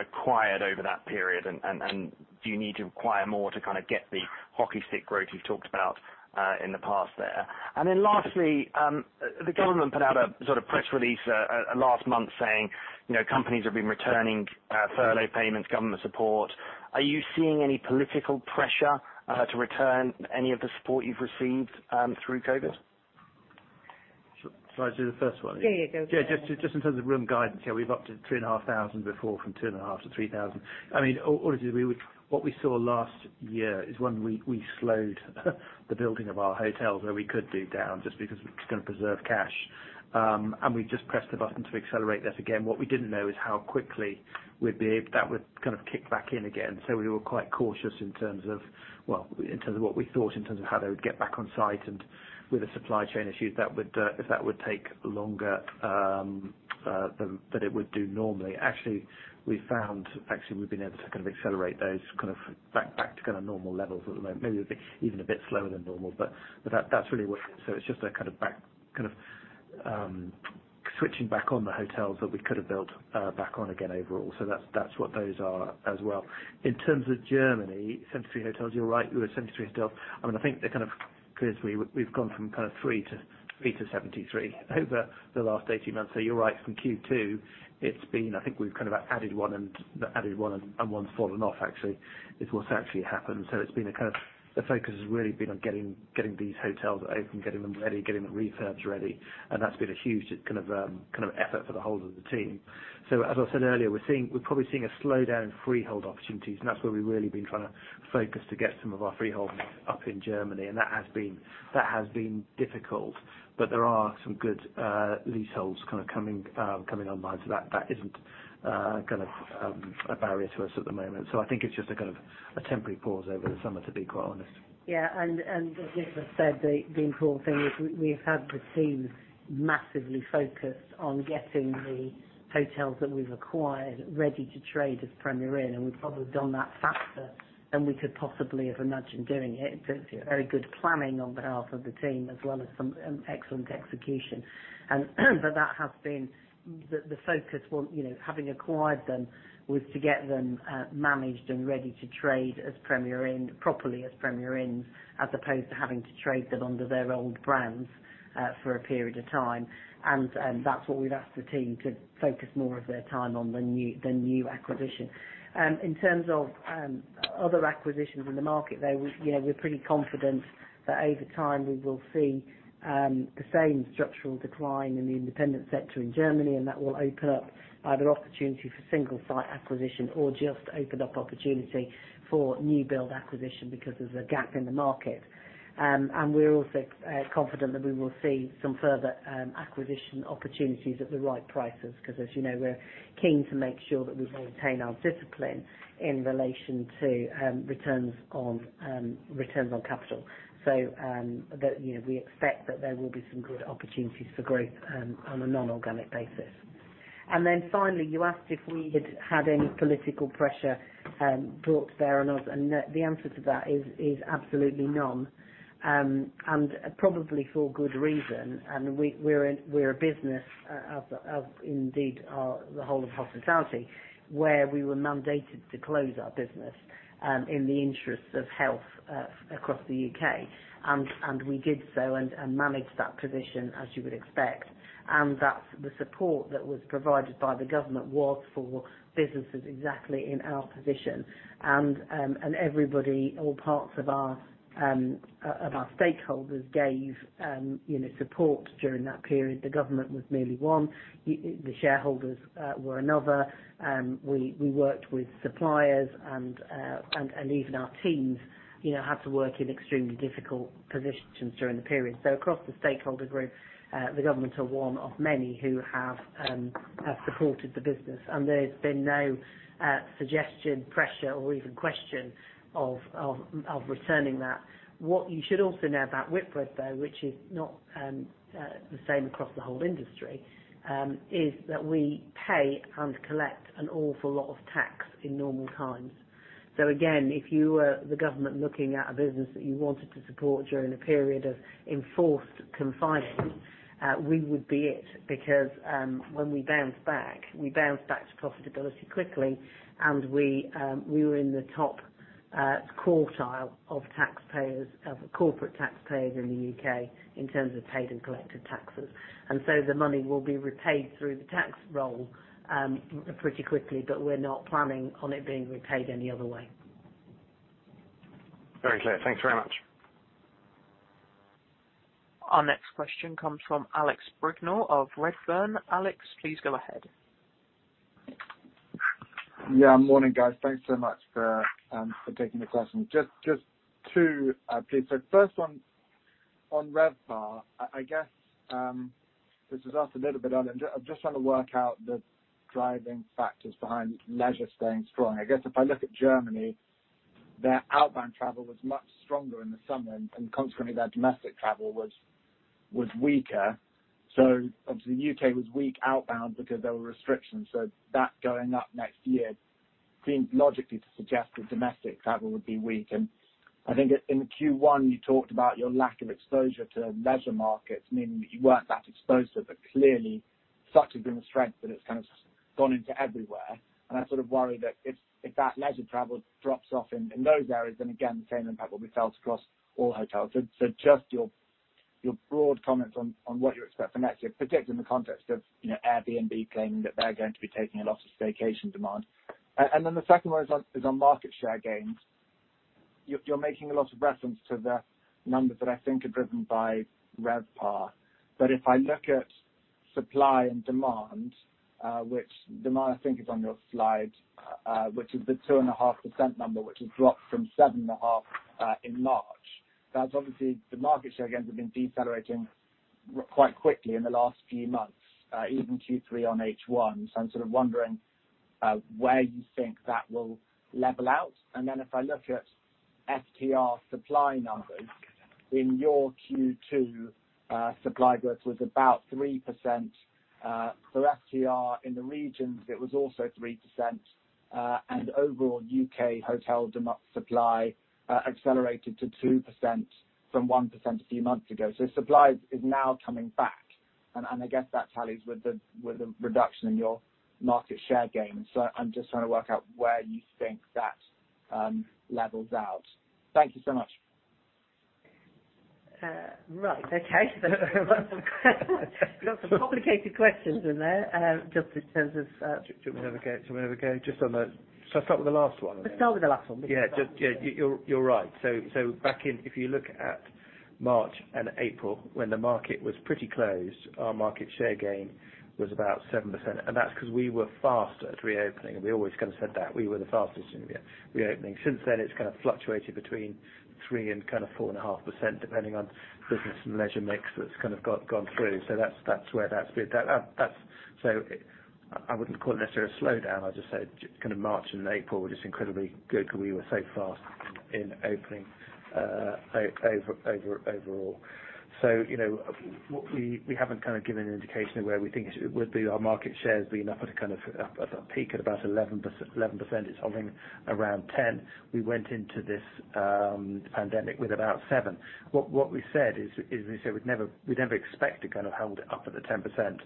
acquired over that period? Do you need to acquire more to kinda get the hockey stick growth you've talked about in the past there? Then lastly, the government put out a sort of press release last month saying, you know, companies have been returning furlough payments, government support. Are you seeing any political pressure to return any of the support you've received through COVID? Shall I do the first one? Yeah, you go first. Yeah. Just in terms of room guidance, yeah, we've upped to 3,500 before from 2,500-3,000. I mean, all it is, we. What we saw last year is when we slowed the building of our hotels where we could do down just because we just kinda preserved cash. And we've just pressed the button to accelerate that again. What we didn't know is how quickly that would kind of kick back in again. We were quite cautious in terms of, well, in terms of what we thought, in terms of how they would get back on site and with the supply chain issues that would, if that would take longer, than it would do normally. Actually, we've been able to kind of accelerate those kind of back to kinda normal levels at the moment. Maybe even a bit slower than normal, but that's really what. It's just a kind of back switching back on the hotels that we could have built back on again overall. So that's what those are as well. In terms of Germany, 73 hotels, you're right, we were at 73 hotels. I mean, I think they're kind of clear to you. We've gone from kind of three to 73 over the last 18 months. So you're right. From Q2, it's been, I think we've kind of added one and one and one's fallen off actually, is what's actually happened. So it's been a kind of. The focus has really been on getting these hotels open, getting them ready, getting the refurbs ready, and that's been a huge kind of effort for the whole of the team. As I said earlier, we're probably seeing a slowdown in freehold opportunities, and that's where we've really been trying to focus to get some of our freeholds up in Germany, and that has been difficult. There are some good leaseholds kind of coming online, so that isn't kind of a barrier to us at the moment. I think it's just a kind of a temporary pause over the summer, to be quite honest. As Nicholas said, the important thing is we have had the teams massively focused on getting the hotels that we've acquired ready to trade as Premier Inn, and we've probably done that faster than we could possibly have imagined doing it. It's very good planning on behalf of the team as well as an excellent execution. That has been the focus. What, you know, having acquired them, was to get them managed and ready to trade as Premier Inn, properly as Premier Inns, as opposed to having to trade them under their old brands for a period of time. That's what we've asked the team to focus more of their time on, the new acquisition. In terms of other acquisitions in the market there, we, you know, we're pretty confident that over time we will see the same structural decline in the independent sector in Germany, and that will open up either opportunity for single site acquisition or just open up opportunity for new build acquisition because there's a gap in the market. We're also confident that we will see some further acquisition opportunities at the right prices, 'cause as you know, we're keen to make sure that we maintain our discipline in relation to returns on capital. That, you know, we expect that there will be some good opportunities for growth on a non-organic basis. Finally, you asked if we had any political pressure brought to bear on us, and the answer to that is absolutely none. Probably for good reason, and we're in a business of indeed the whole of hospitality, where we were mandated to close our business in the interests of health across the U.K. We did so and managed that position as you would expect. That's the support that was provided by the government was for businesses exactly in our position. Everybody, all parts of our stakeholders gave, you know, support during that period. The government was merely one. The shareholders were another. We worked with suppliers and even our teams, you know, had to work in extremely difficult positions during the period. Across the stakeholder group, the government are one of many who have supported the business. There's been no suggestion, pressure or even question of returning that. What you should also know about Whitbread, though, which is not the same across the whole industry, is that we pay and collect an awful lot of tax in normal times. Again, if you were the government looking at a business that you wanted to support during a period of enforced confinement, we would be it. Because when we bounced back, we bounced back to profitability quickly and we were in the top quartile of taxpayers, of corporate taxpayers in the U.K. in terms of paid and collected taxes. The money will be repaid through the tax roll pretty quickly, but we're not planning on it being repaid any other way. Very clear. Thanks very much. Our next question comes from Alex Brignall of Redburn. Alex, please go ahead. Yeah, morning, guys. Thanks so much for taking the question. Just two, Peter. First one on RevPAR, I guess this is asked a little bit on it. I'm just trying to work out the driving factors behind leisure staying strong. I guess if I look at Germany, their outbound travel was much stronger in the summer, and consequently, their domestic travel was weaker. Obviously, U.K. was weak outbound because there were restrictions. That going up next year seems logically to suggest that domestic travel would be weak. I think it in Q1, you talked about your lack of exposure to leisure markets, meaning that you weren't that exposed to it, but clearly such has been the strength that it's kind of gone into everywhere. I sort of worry that if that leisure travel drops off in those areas, then again, the same impact will be felt across all hotels. Just your broad comments on what you're expecting next year, particularly in the context of, you know, Airbnb claiming that they're going to be taking a lot of staycation demand. And then the second one is on market share gains. You're making a lot of reference to the numbers that I think are driven by RevPAR. But if I look at supply and demand, which demand I think is on your slide, which is the 2.5% number, which has dropped from 7.5% in March. That's obviously the market share gains have been decelerating quite quickly in the last few months, even Q3 on H1. I'm sort of wondering where you think that will level out. If I look at STR supply numbers in your Q2, supply growth was about 3%, for STR in the regions, it was also 3%. Overall U.K. hotel demand supply accelerated to 2% from 1% a few months ago. Supply is now coming back and I guess that tallies with the reduction in your market share gains. I'm just trying to work out where you think that levels out. Thank you so much. Right. Okay. We've got some complicated questions in there, just in terms of. Do you want me to have a go? Shall I start with the last one? Let's start with the last one. Yeah. Yeah. You're right. If you look at March and April when the market was pretty closed, our market share gain was about 7%, and that's 'cause we were faster at reopening. We always kind of said that we were the fastest in the reopening. Since then, it's kind of fluctuated between 3% and 4.5%, depending on business and leisure mix that's kind of gone through. That's where that's been. I wouldn't call it necessarily a slowdown. I'd just say March and April were just incredibly good 'cause we were so fast in opening overall. You know, we haven't kind of given an indication of where we think it would be. Our market share has been up at a peak at about 11%. It's hovering around 10. We went into this pandemic with about 7%. What we said is we said we'd never expect to kind of hold it up at the 10%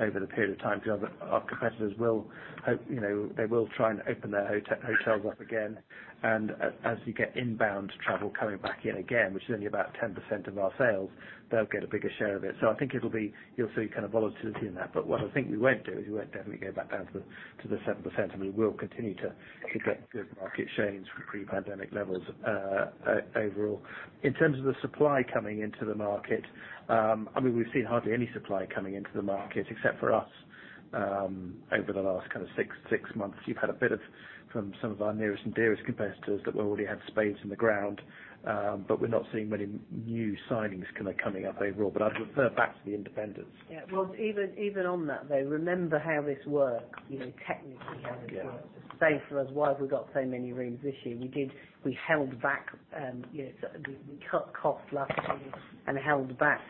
over the period of time because our competitors will, you know, they will try and open their hotels up again. As you get inbound travel coming back in again, which is only about 10% of our sales, they'll get a bigger share of it. I think you'll see kind of volatility in that. What I think we won't do is we won't definitely go back down to the 7% and we will continue to get good market shares from pre-pandemic levels overall. In terms of the supply coming into the market, I mean, we've seen hardly any supply coming into the market except for us, over the last kind of six months. You've had a bit from some of our nearest and dearest competitors that already had spades in the ground. We're not seeing many new signings kind of coming up overall. I'd refer back to the independents. Yeah. Well, even on that, though, remember how this worked, you know, technically how this worked. Say for us, why have we got so many rooms this year? We held back, you know, so we cut costs last year and held back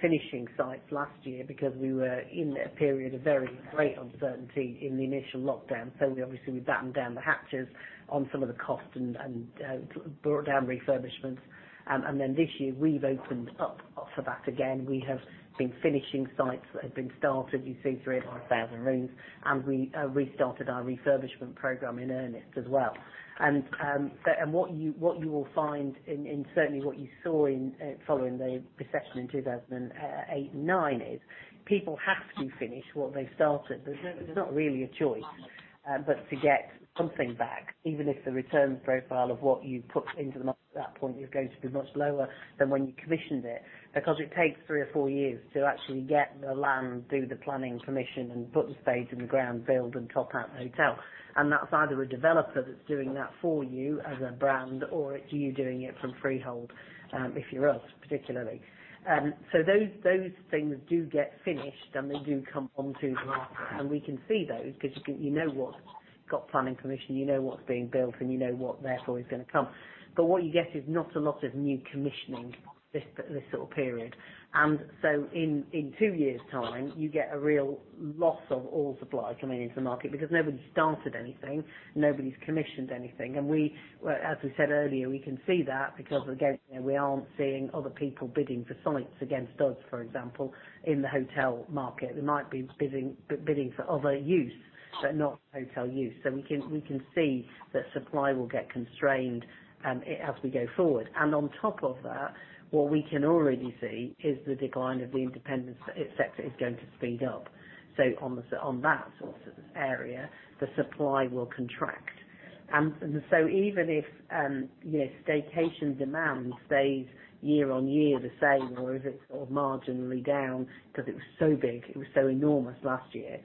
finishing sites last year because we were in a period of very great uncertainty in the initial lockdown. We obviously battened down the hatches on some of the costs and brought down refurbishments. Then this year we've opened up for that again. We have been finishing sites that have been started. You see 3,500 rooms and we restarted our refurbishment program in earnest as well. What you will find and certainly what you saw in following the recession in 2008 and 2009 is people have to finish what they started. There's not really a choice but to get something back, even if the return profile of what you put into the market at that point is going to be much lower than when you commissioned it, because it takes three or four years to actually get the land, do the planning permission and put the spades in the ground, build and top out the hotel. That's either a developer that's doing that for you as a brand or it's you doing it from freehold, if you're us particularly. Those things do get finished and they do come onto the market and we can see those because you know what's got planning permission, you know what's being built and you know what therefore is gonna come. What you get is not a lot of new commissioning this sort of period. In two years' time, you get a real loss of all supply coming into the market because nobody's started anything, nobody's commissioned anything. We, well, as we said earlier, we can see that because again, you know, we aren't seeing other people bidding for sites against us, for example, in the hotel market. We might be bidding for other use, but not hotel use. We can see that supply will get constrained as we go forward. On top of that, what we can already see is the decline of the independent sector is going to speed up. On that sort of area, the supply will contract. Even if, you know, staycation demand stays year on year the same, or if it's sort of marginally down because it was so big, it was so enormous last year,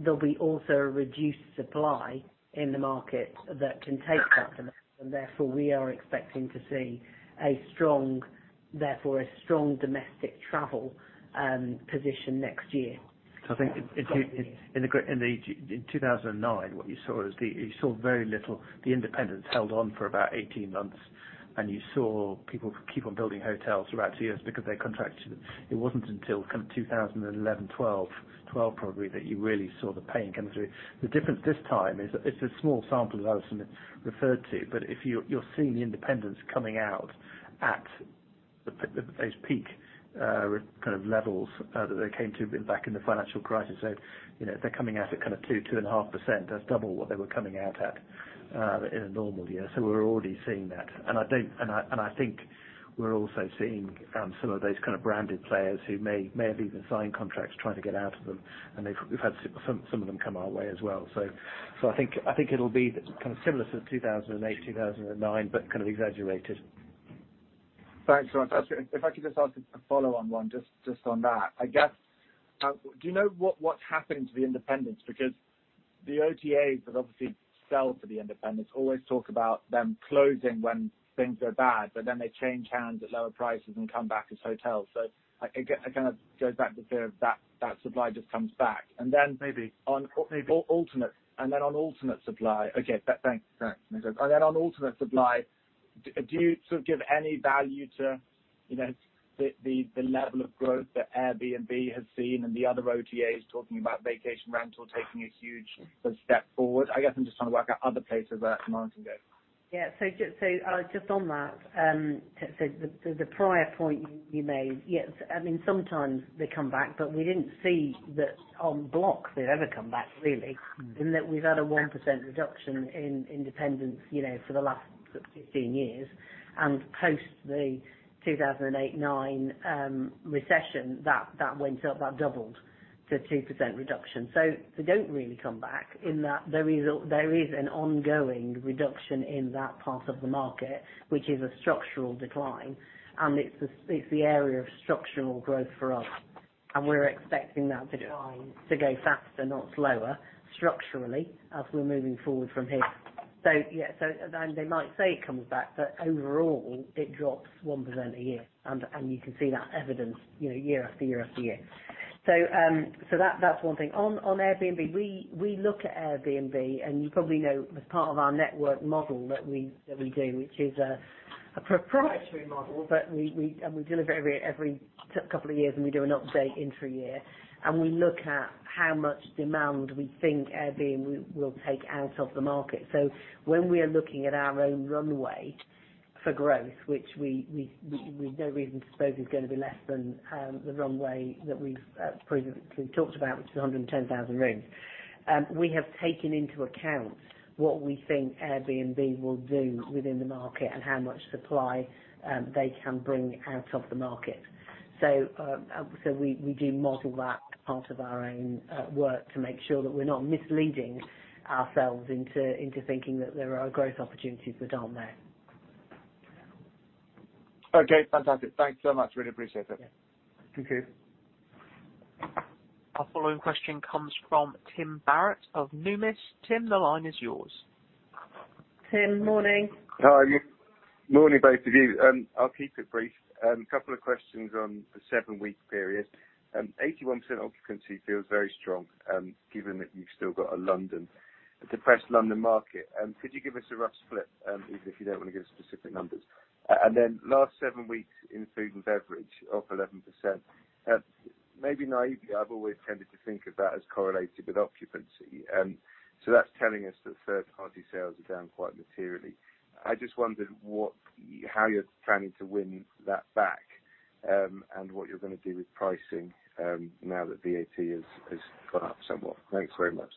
there'll also be a reduced supply in the market that can take that demand. Therefore, we are expecting to see a strong domestic travel position next year. I think in 2009, what you saw was very little. The independents held on for about 18 months, and you saw people keep on building hotels throughout two years because they contracted. It wasn't until kind of 2011, 2012 probably, that you really saw the pain coming through. The difference this time is it's a small sample, as Alison referred to. If you're seeing the independents coming out at those peak kind of levels that they came to back in the financial crisis. You know, if they're coming out at kind of 2%-2.5%, that's double what they were coming out at in a normal year. We're already seeing that. I think we're also seeing some of those kind of branded players who may have even signed contracts trying to get out of them. We've had some of them come our way as well. I think it'll be kind of similar to 2008, 2009, but kind of exaggerated. Thanks so much. If I could just ask a follow-on one, just on that. I guess, do you know what's happening to the independents? Because the OTAs that obviously sell to the independents always talk about them closing when things are bad, but then they change hands at lower prices and come back as hotels. So it kind of goes back to fear of that supply just comes back. On ultimate supply, do you sort of give any value to, you know, the level of growth that Airbnb has seen and the other OTAs talking about vacation rental taking a huge step forward? I guess I'm just trying to work out other places that demand can go. Yeah. Just on that, the prior point you made. Yes. I mean, sometimes they come back, but we didn't see that on balance they'd ever come back really, in that we've had a 1% reduction in independents, you know, for the last 15 years. Post the 2008-2009 recession, that went up. That doubled to 2% reduction. They don't really come back in that there is an ongoing reduction in that part of the market, which is a structural decline. It's the area of structural growth for us. We're expecting that decline to go faster, not slower, structurally, as we're moving forward from here. Yeah. They might say it comes back, but overall it drops 1% a year. You can see that evidenced, you know, year after year after year. That's one thing. On Airbnb, we look at Airbnb, and you probably know as part of our network model that we do, which is a proprietary model. We deliver every couple of years, and we do an update intra-year. We look at how much demand we think Airbnb will take out of the market. When we are looking at our own runway for growth, which we've no reason to suppose is gonna be less than the runway that we've previously talked about, which is 110,000 rooms. We have taken into account what we think Airbnb will do within the market and how much supply they can bring out of the market. We do model that part of our own work to make sure that we're not misleading ourselves into thinking that there are growth opportunities that aren't there. Okay, fantastic. Thank you so much. Really appreciate it. Thank you. Our following question comes from Tim Barrett of Numis. Tim, the line is yours. Tim, morning. Hi. Morning, both of you. I'll keep it brief. A couple of questions on the seven-week period. 81% occupancy feels very strong, given that you've still got a depressed London market. Could you give us a rough split, even if you don't wanna give specific numbers? Last seven weeks in food and beverage up 11%. Maybe naively, I've always tended to think of that as correlated with occupancy. That's telling us that third-party sales are down quite materially. I just wondered how you're planning to win that back, and what you're gonna do with pricing, now that VAT has gone up somewhat. Thanks very much.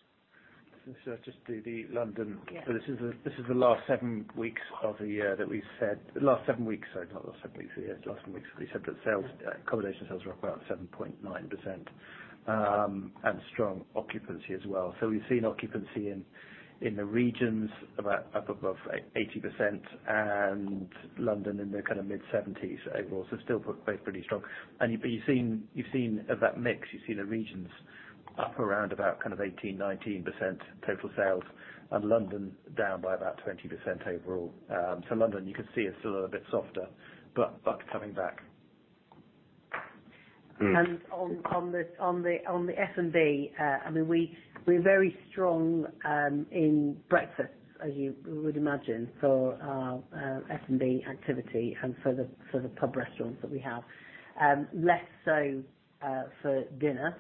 Just the London. This is the last seven weeks of the year that we said. The last seven weeks, sorry, not the last seven weeks of the year. The last seven weeks that we said that sales, accommodation sales were up about 7.9%, and strong occupancy as well. We've seen occupancy in the regions about up above 80% and London in the kind of mid-70s overall. Still both pretty strong. You've seen of that mix, you've seen the regions up around about kind of 18%, 19% total sales and London down by about 20% overall. London you can see is still a bit softer, but coming back. On the F&B, I mean, we're very strong in breakfast, as you would imagine, for our F&B activity and for the pub restaurants that we have. Less so for dinner.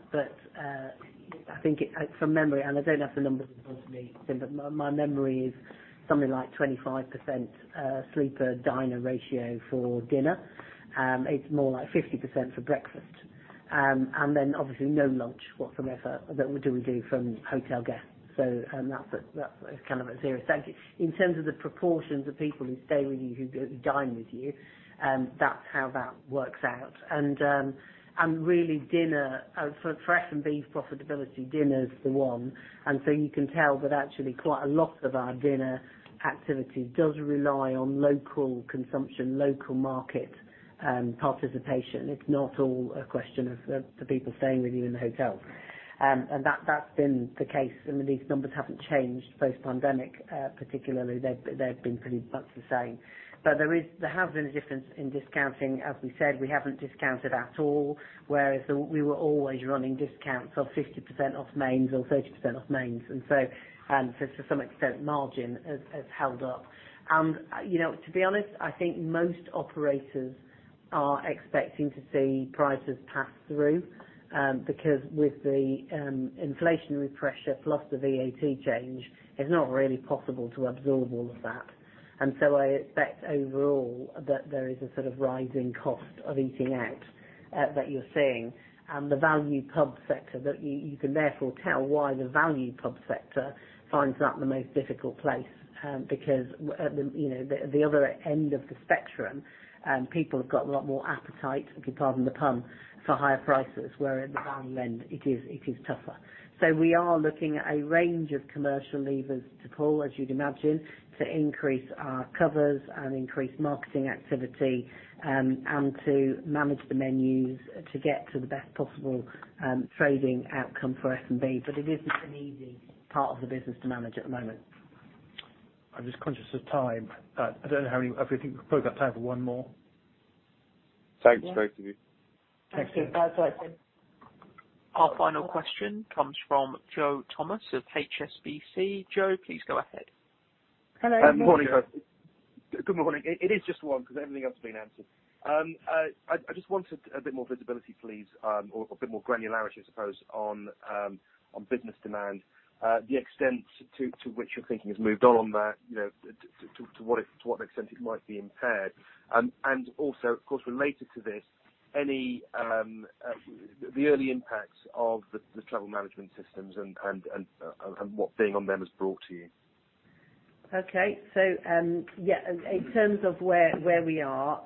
I think it from memory, and I don't have the numbers in front of me, Tim, but my memory is something like 25% sleeper/diner ratio for dinner. It's more like 50% for breakfast. Then obviously no lunch whatsoever that we do from hotel guests. That's kind of a zero. Thank you. In terms of the proportions of people who stay with you, who dine with you, that's how that works out. Really dinner for F&B profitability, dinner's the one. You can tell that actually quite a lot of our dinner activity does rely on local consumption, local market participation. It's not all a question of the people staying with you in the hotel. That's been the case. I mean, these numbers haven't changed post-pandemic. Particularly they've been pretty much the same. There has been a difference in discounting. As we said, we haven't discounted at all, whereas we were always running discounts of 50% off mains or 30% off mains. To some extent, margin has held up. You know, to be honest, I think most operators are expecting to see prices pass through because with the inflationary pressure plus the VAT change, it's not really possible to absorb all of that. I expect overall that there is a sort of rising cost of eating out that you're seeing. The value pub sector that you can therefore tell why the value pub sector finds that the most difficult place because you know the other end of the spectrum people have got a lot more appetite, if you pardon the pun, for higher prices, where at the value end it is tougher. We are looking at a range of commercial levers to pull, as you'd imagine, to increase our covers and increase marketing activity, and to manage the menus to get to the best possible trading outcome for F&B. It isn't an easy part of the business to manage at the moment. I'm just conscious of time. I don't know how many. I think we've probably got time for one more. Thanks, both of you. Thank you. Bye, Tim. Our final question comes from Joe Thomas of HSBC. Joe, please go ahead. Hello Joe. Good morning. It is just one because everything else has been answered. I just wanted a bit more visibility, please, or a bit more granularity, I suppose, on business demand, the extent to which your thinking has moved on that, you know, to what extent it might be impaired. Also of course, related to this, any the early impacts of the travel management systems and what being on them has brought to you. Yeah, in terms of where we are,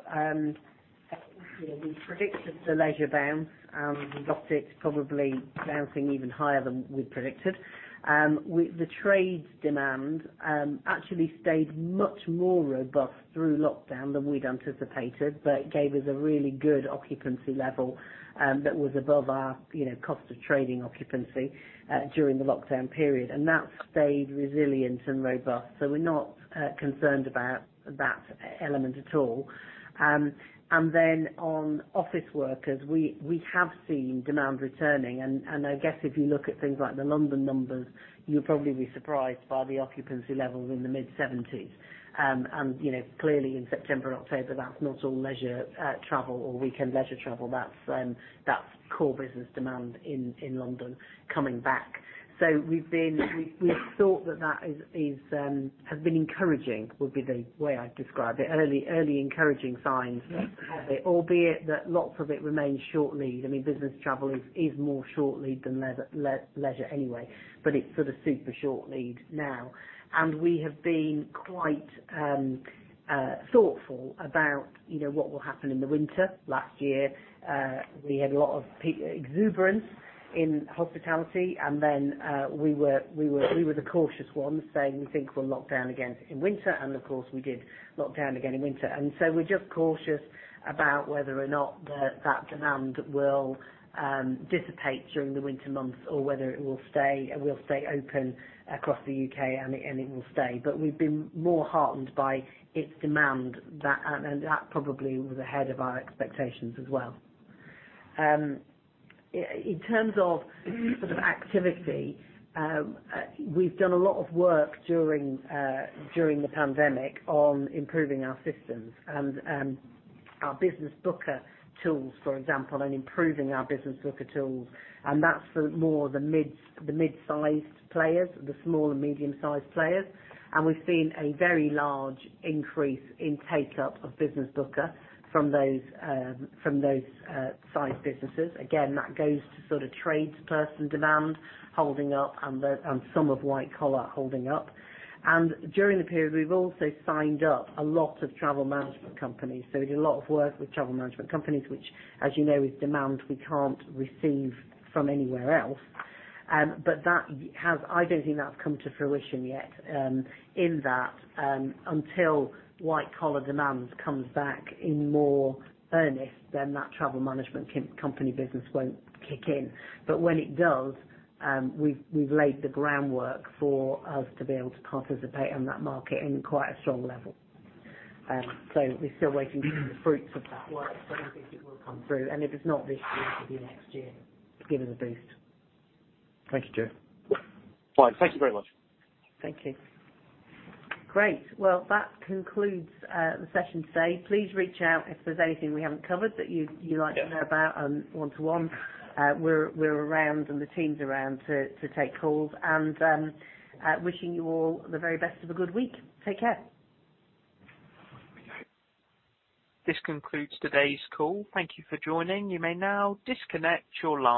you know, we predicted the leisure bounce and got it probably bouncing even higher than we predicted. With the trade demand actually stayed much more robust through lockdown than we'd anticipated, but it gave us a really good occupancy level that was above our, you know, cost of trading occupancy during the lockdown period. That stayed resilient and robust. We're not concerned about that element at all. Then on office workers, we have seen demand returning. I guess if you look at things like the London numbers, you'll probably be surprised by the occupancy levels in the mid-seventies. You know, clearly in September and October, that's not all leisure travel or weekend leisure travel. That's core business demand in London coming back. We've thought that that is has been encouraging, would be the way I'd describe it. Early encouraging signs have it, albeit that lots of it remains short lead. I mean, business travel is more short lead than leisure anyway, but it's sort of super short lead now. We have been quite thoughtful about, you know, what will happen in the winter. Last year, we had a lot of exuberance in hospitality, and then, we were the cautious ones saying, "We think we'll lock down again in winter." Of course, we did lock down again in winter. We're just cautious about whether or not that demand will dissipate during the winter months or whether it will stay open across the U.K. We've been more heartened by its demand, and that probably was ahead of our expectations as well. In terms of sort of activity, we've done a lot of work during the pandemic on improving our systems and our business booker tools, for example, and that's for the mid-sized players, the small and medium-sized players. We've seen a very large increase in take-up of business booker from those size businesses. Again, that goes to sort of tradesperson demand holding up and some of white-collar holding up. During the period, we've also signed up a lot of travel management companies. We did a lot of work with travel management companies, which, as you know, is demand we can't receive from anywhere else. I don't think that's come to fruition yet, in that, until white collar demand comes back in more earnest, then that travel management company business won't kick in. When it does, we've laid the groundwork for us to be able to participate in that market in quite a strong level. We're still waiting to see the fruits of that work, but I think it will come through, and if it's not this year, it'll be next year to give us a boost. Thank you, Joe. Fine. Thank you very much. Thank you. Great. Well, that concludes the session today. Please reach out if there's anything we haven't covered that you'd like to know about on one to one. We're around and the team's around to take calls. Wishing you all the very best of a good week. Take care. This concludes today's call. Thank you for joining. You may now disconnect your line.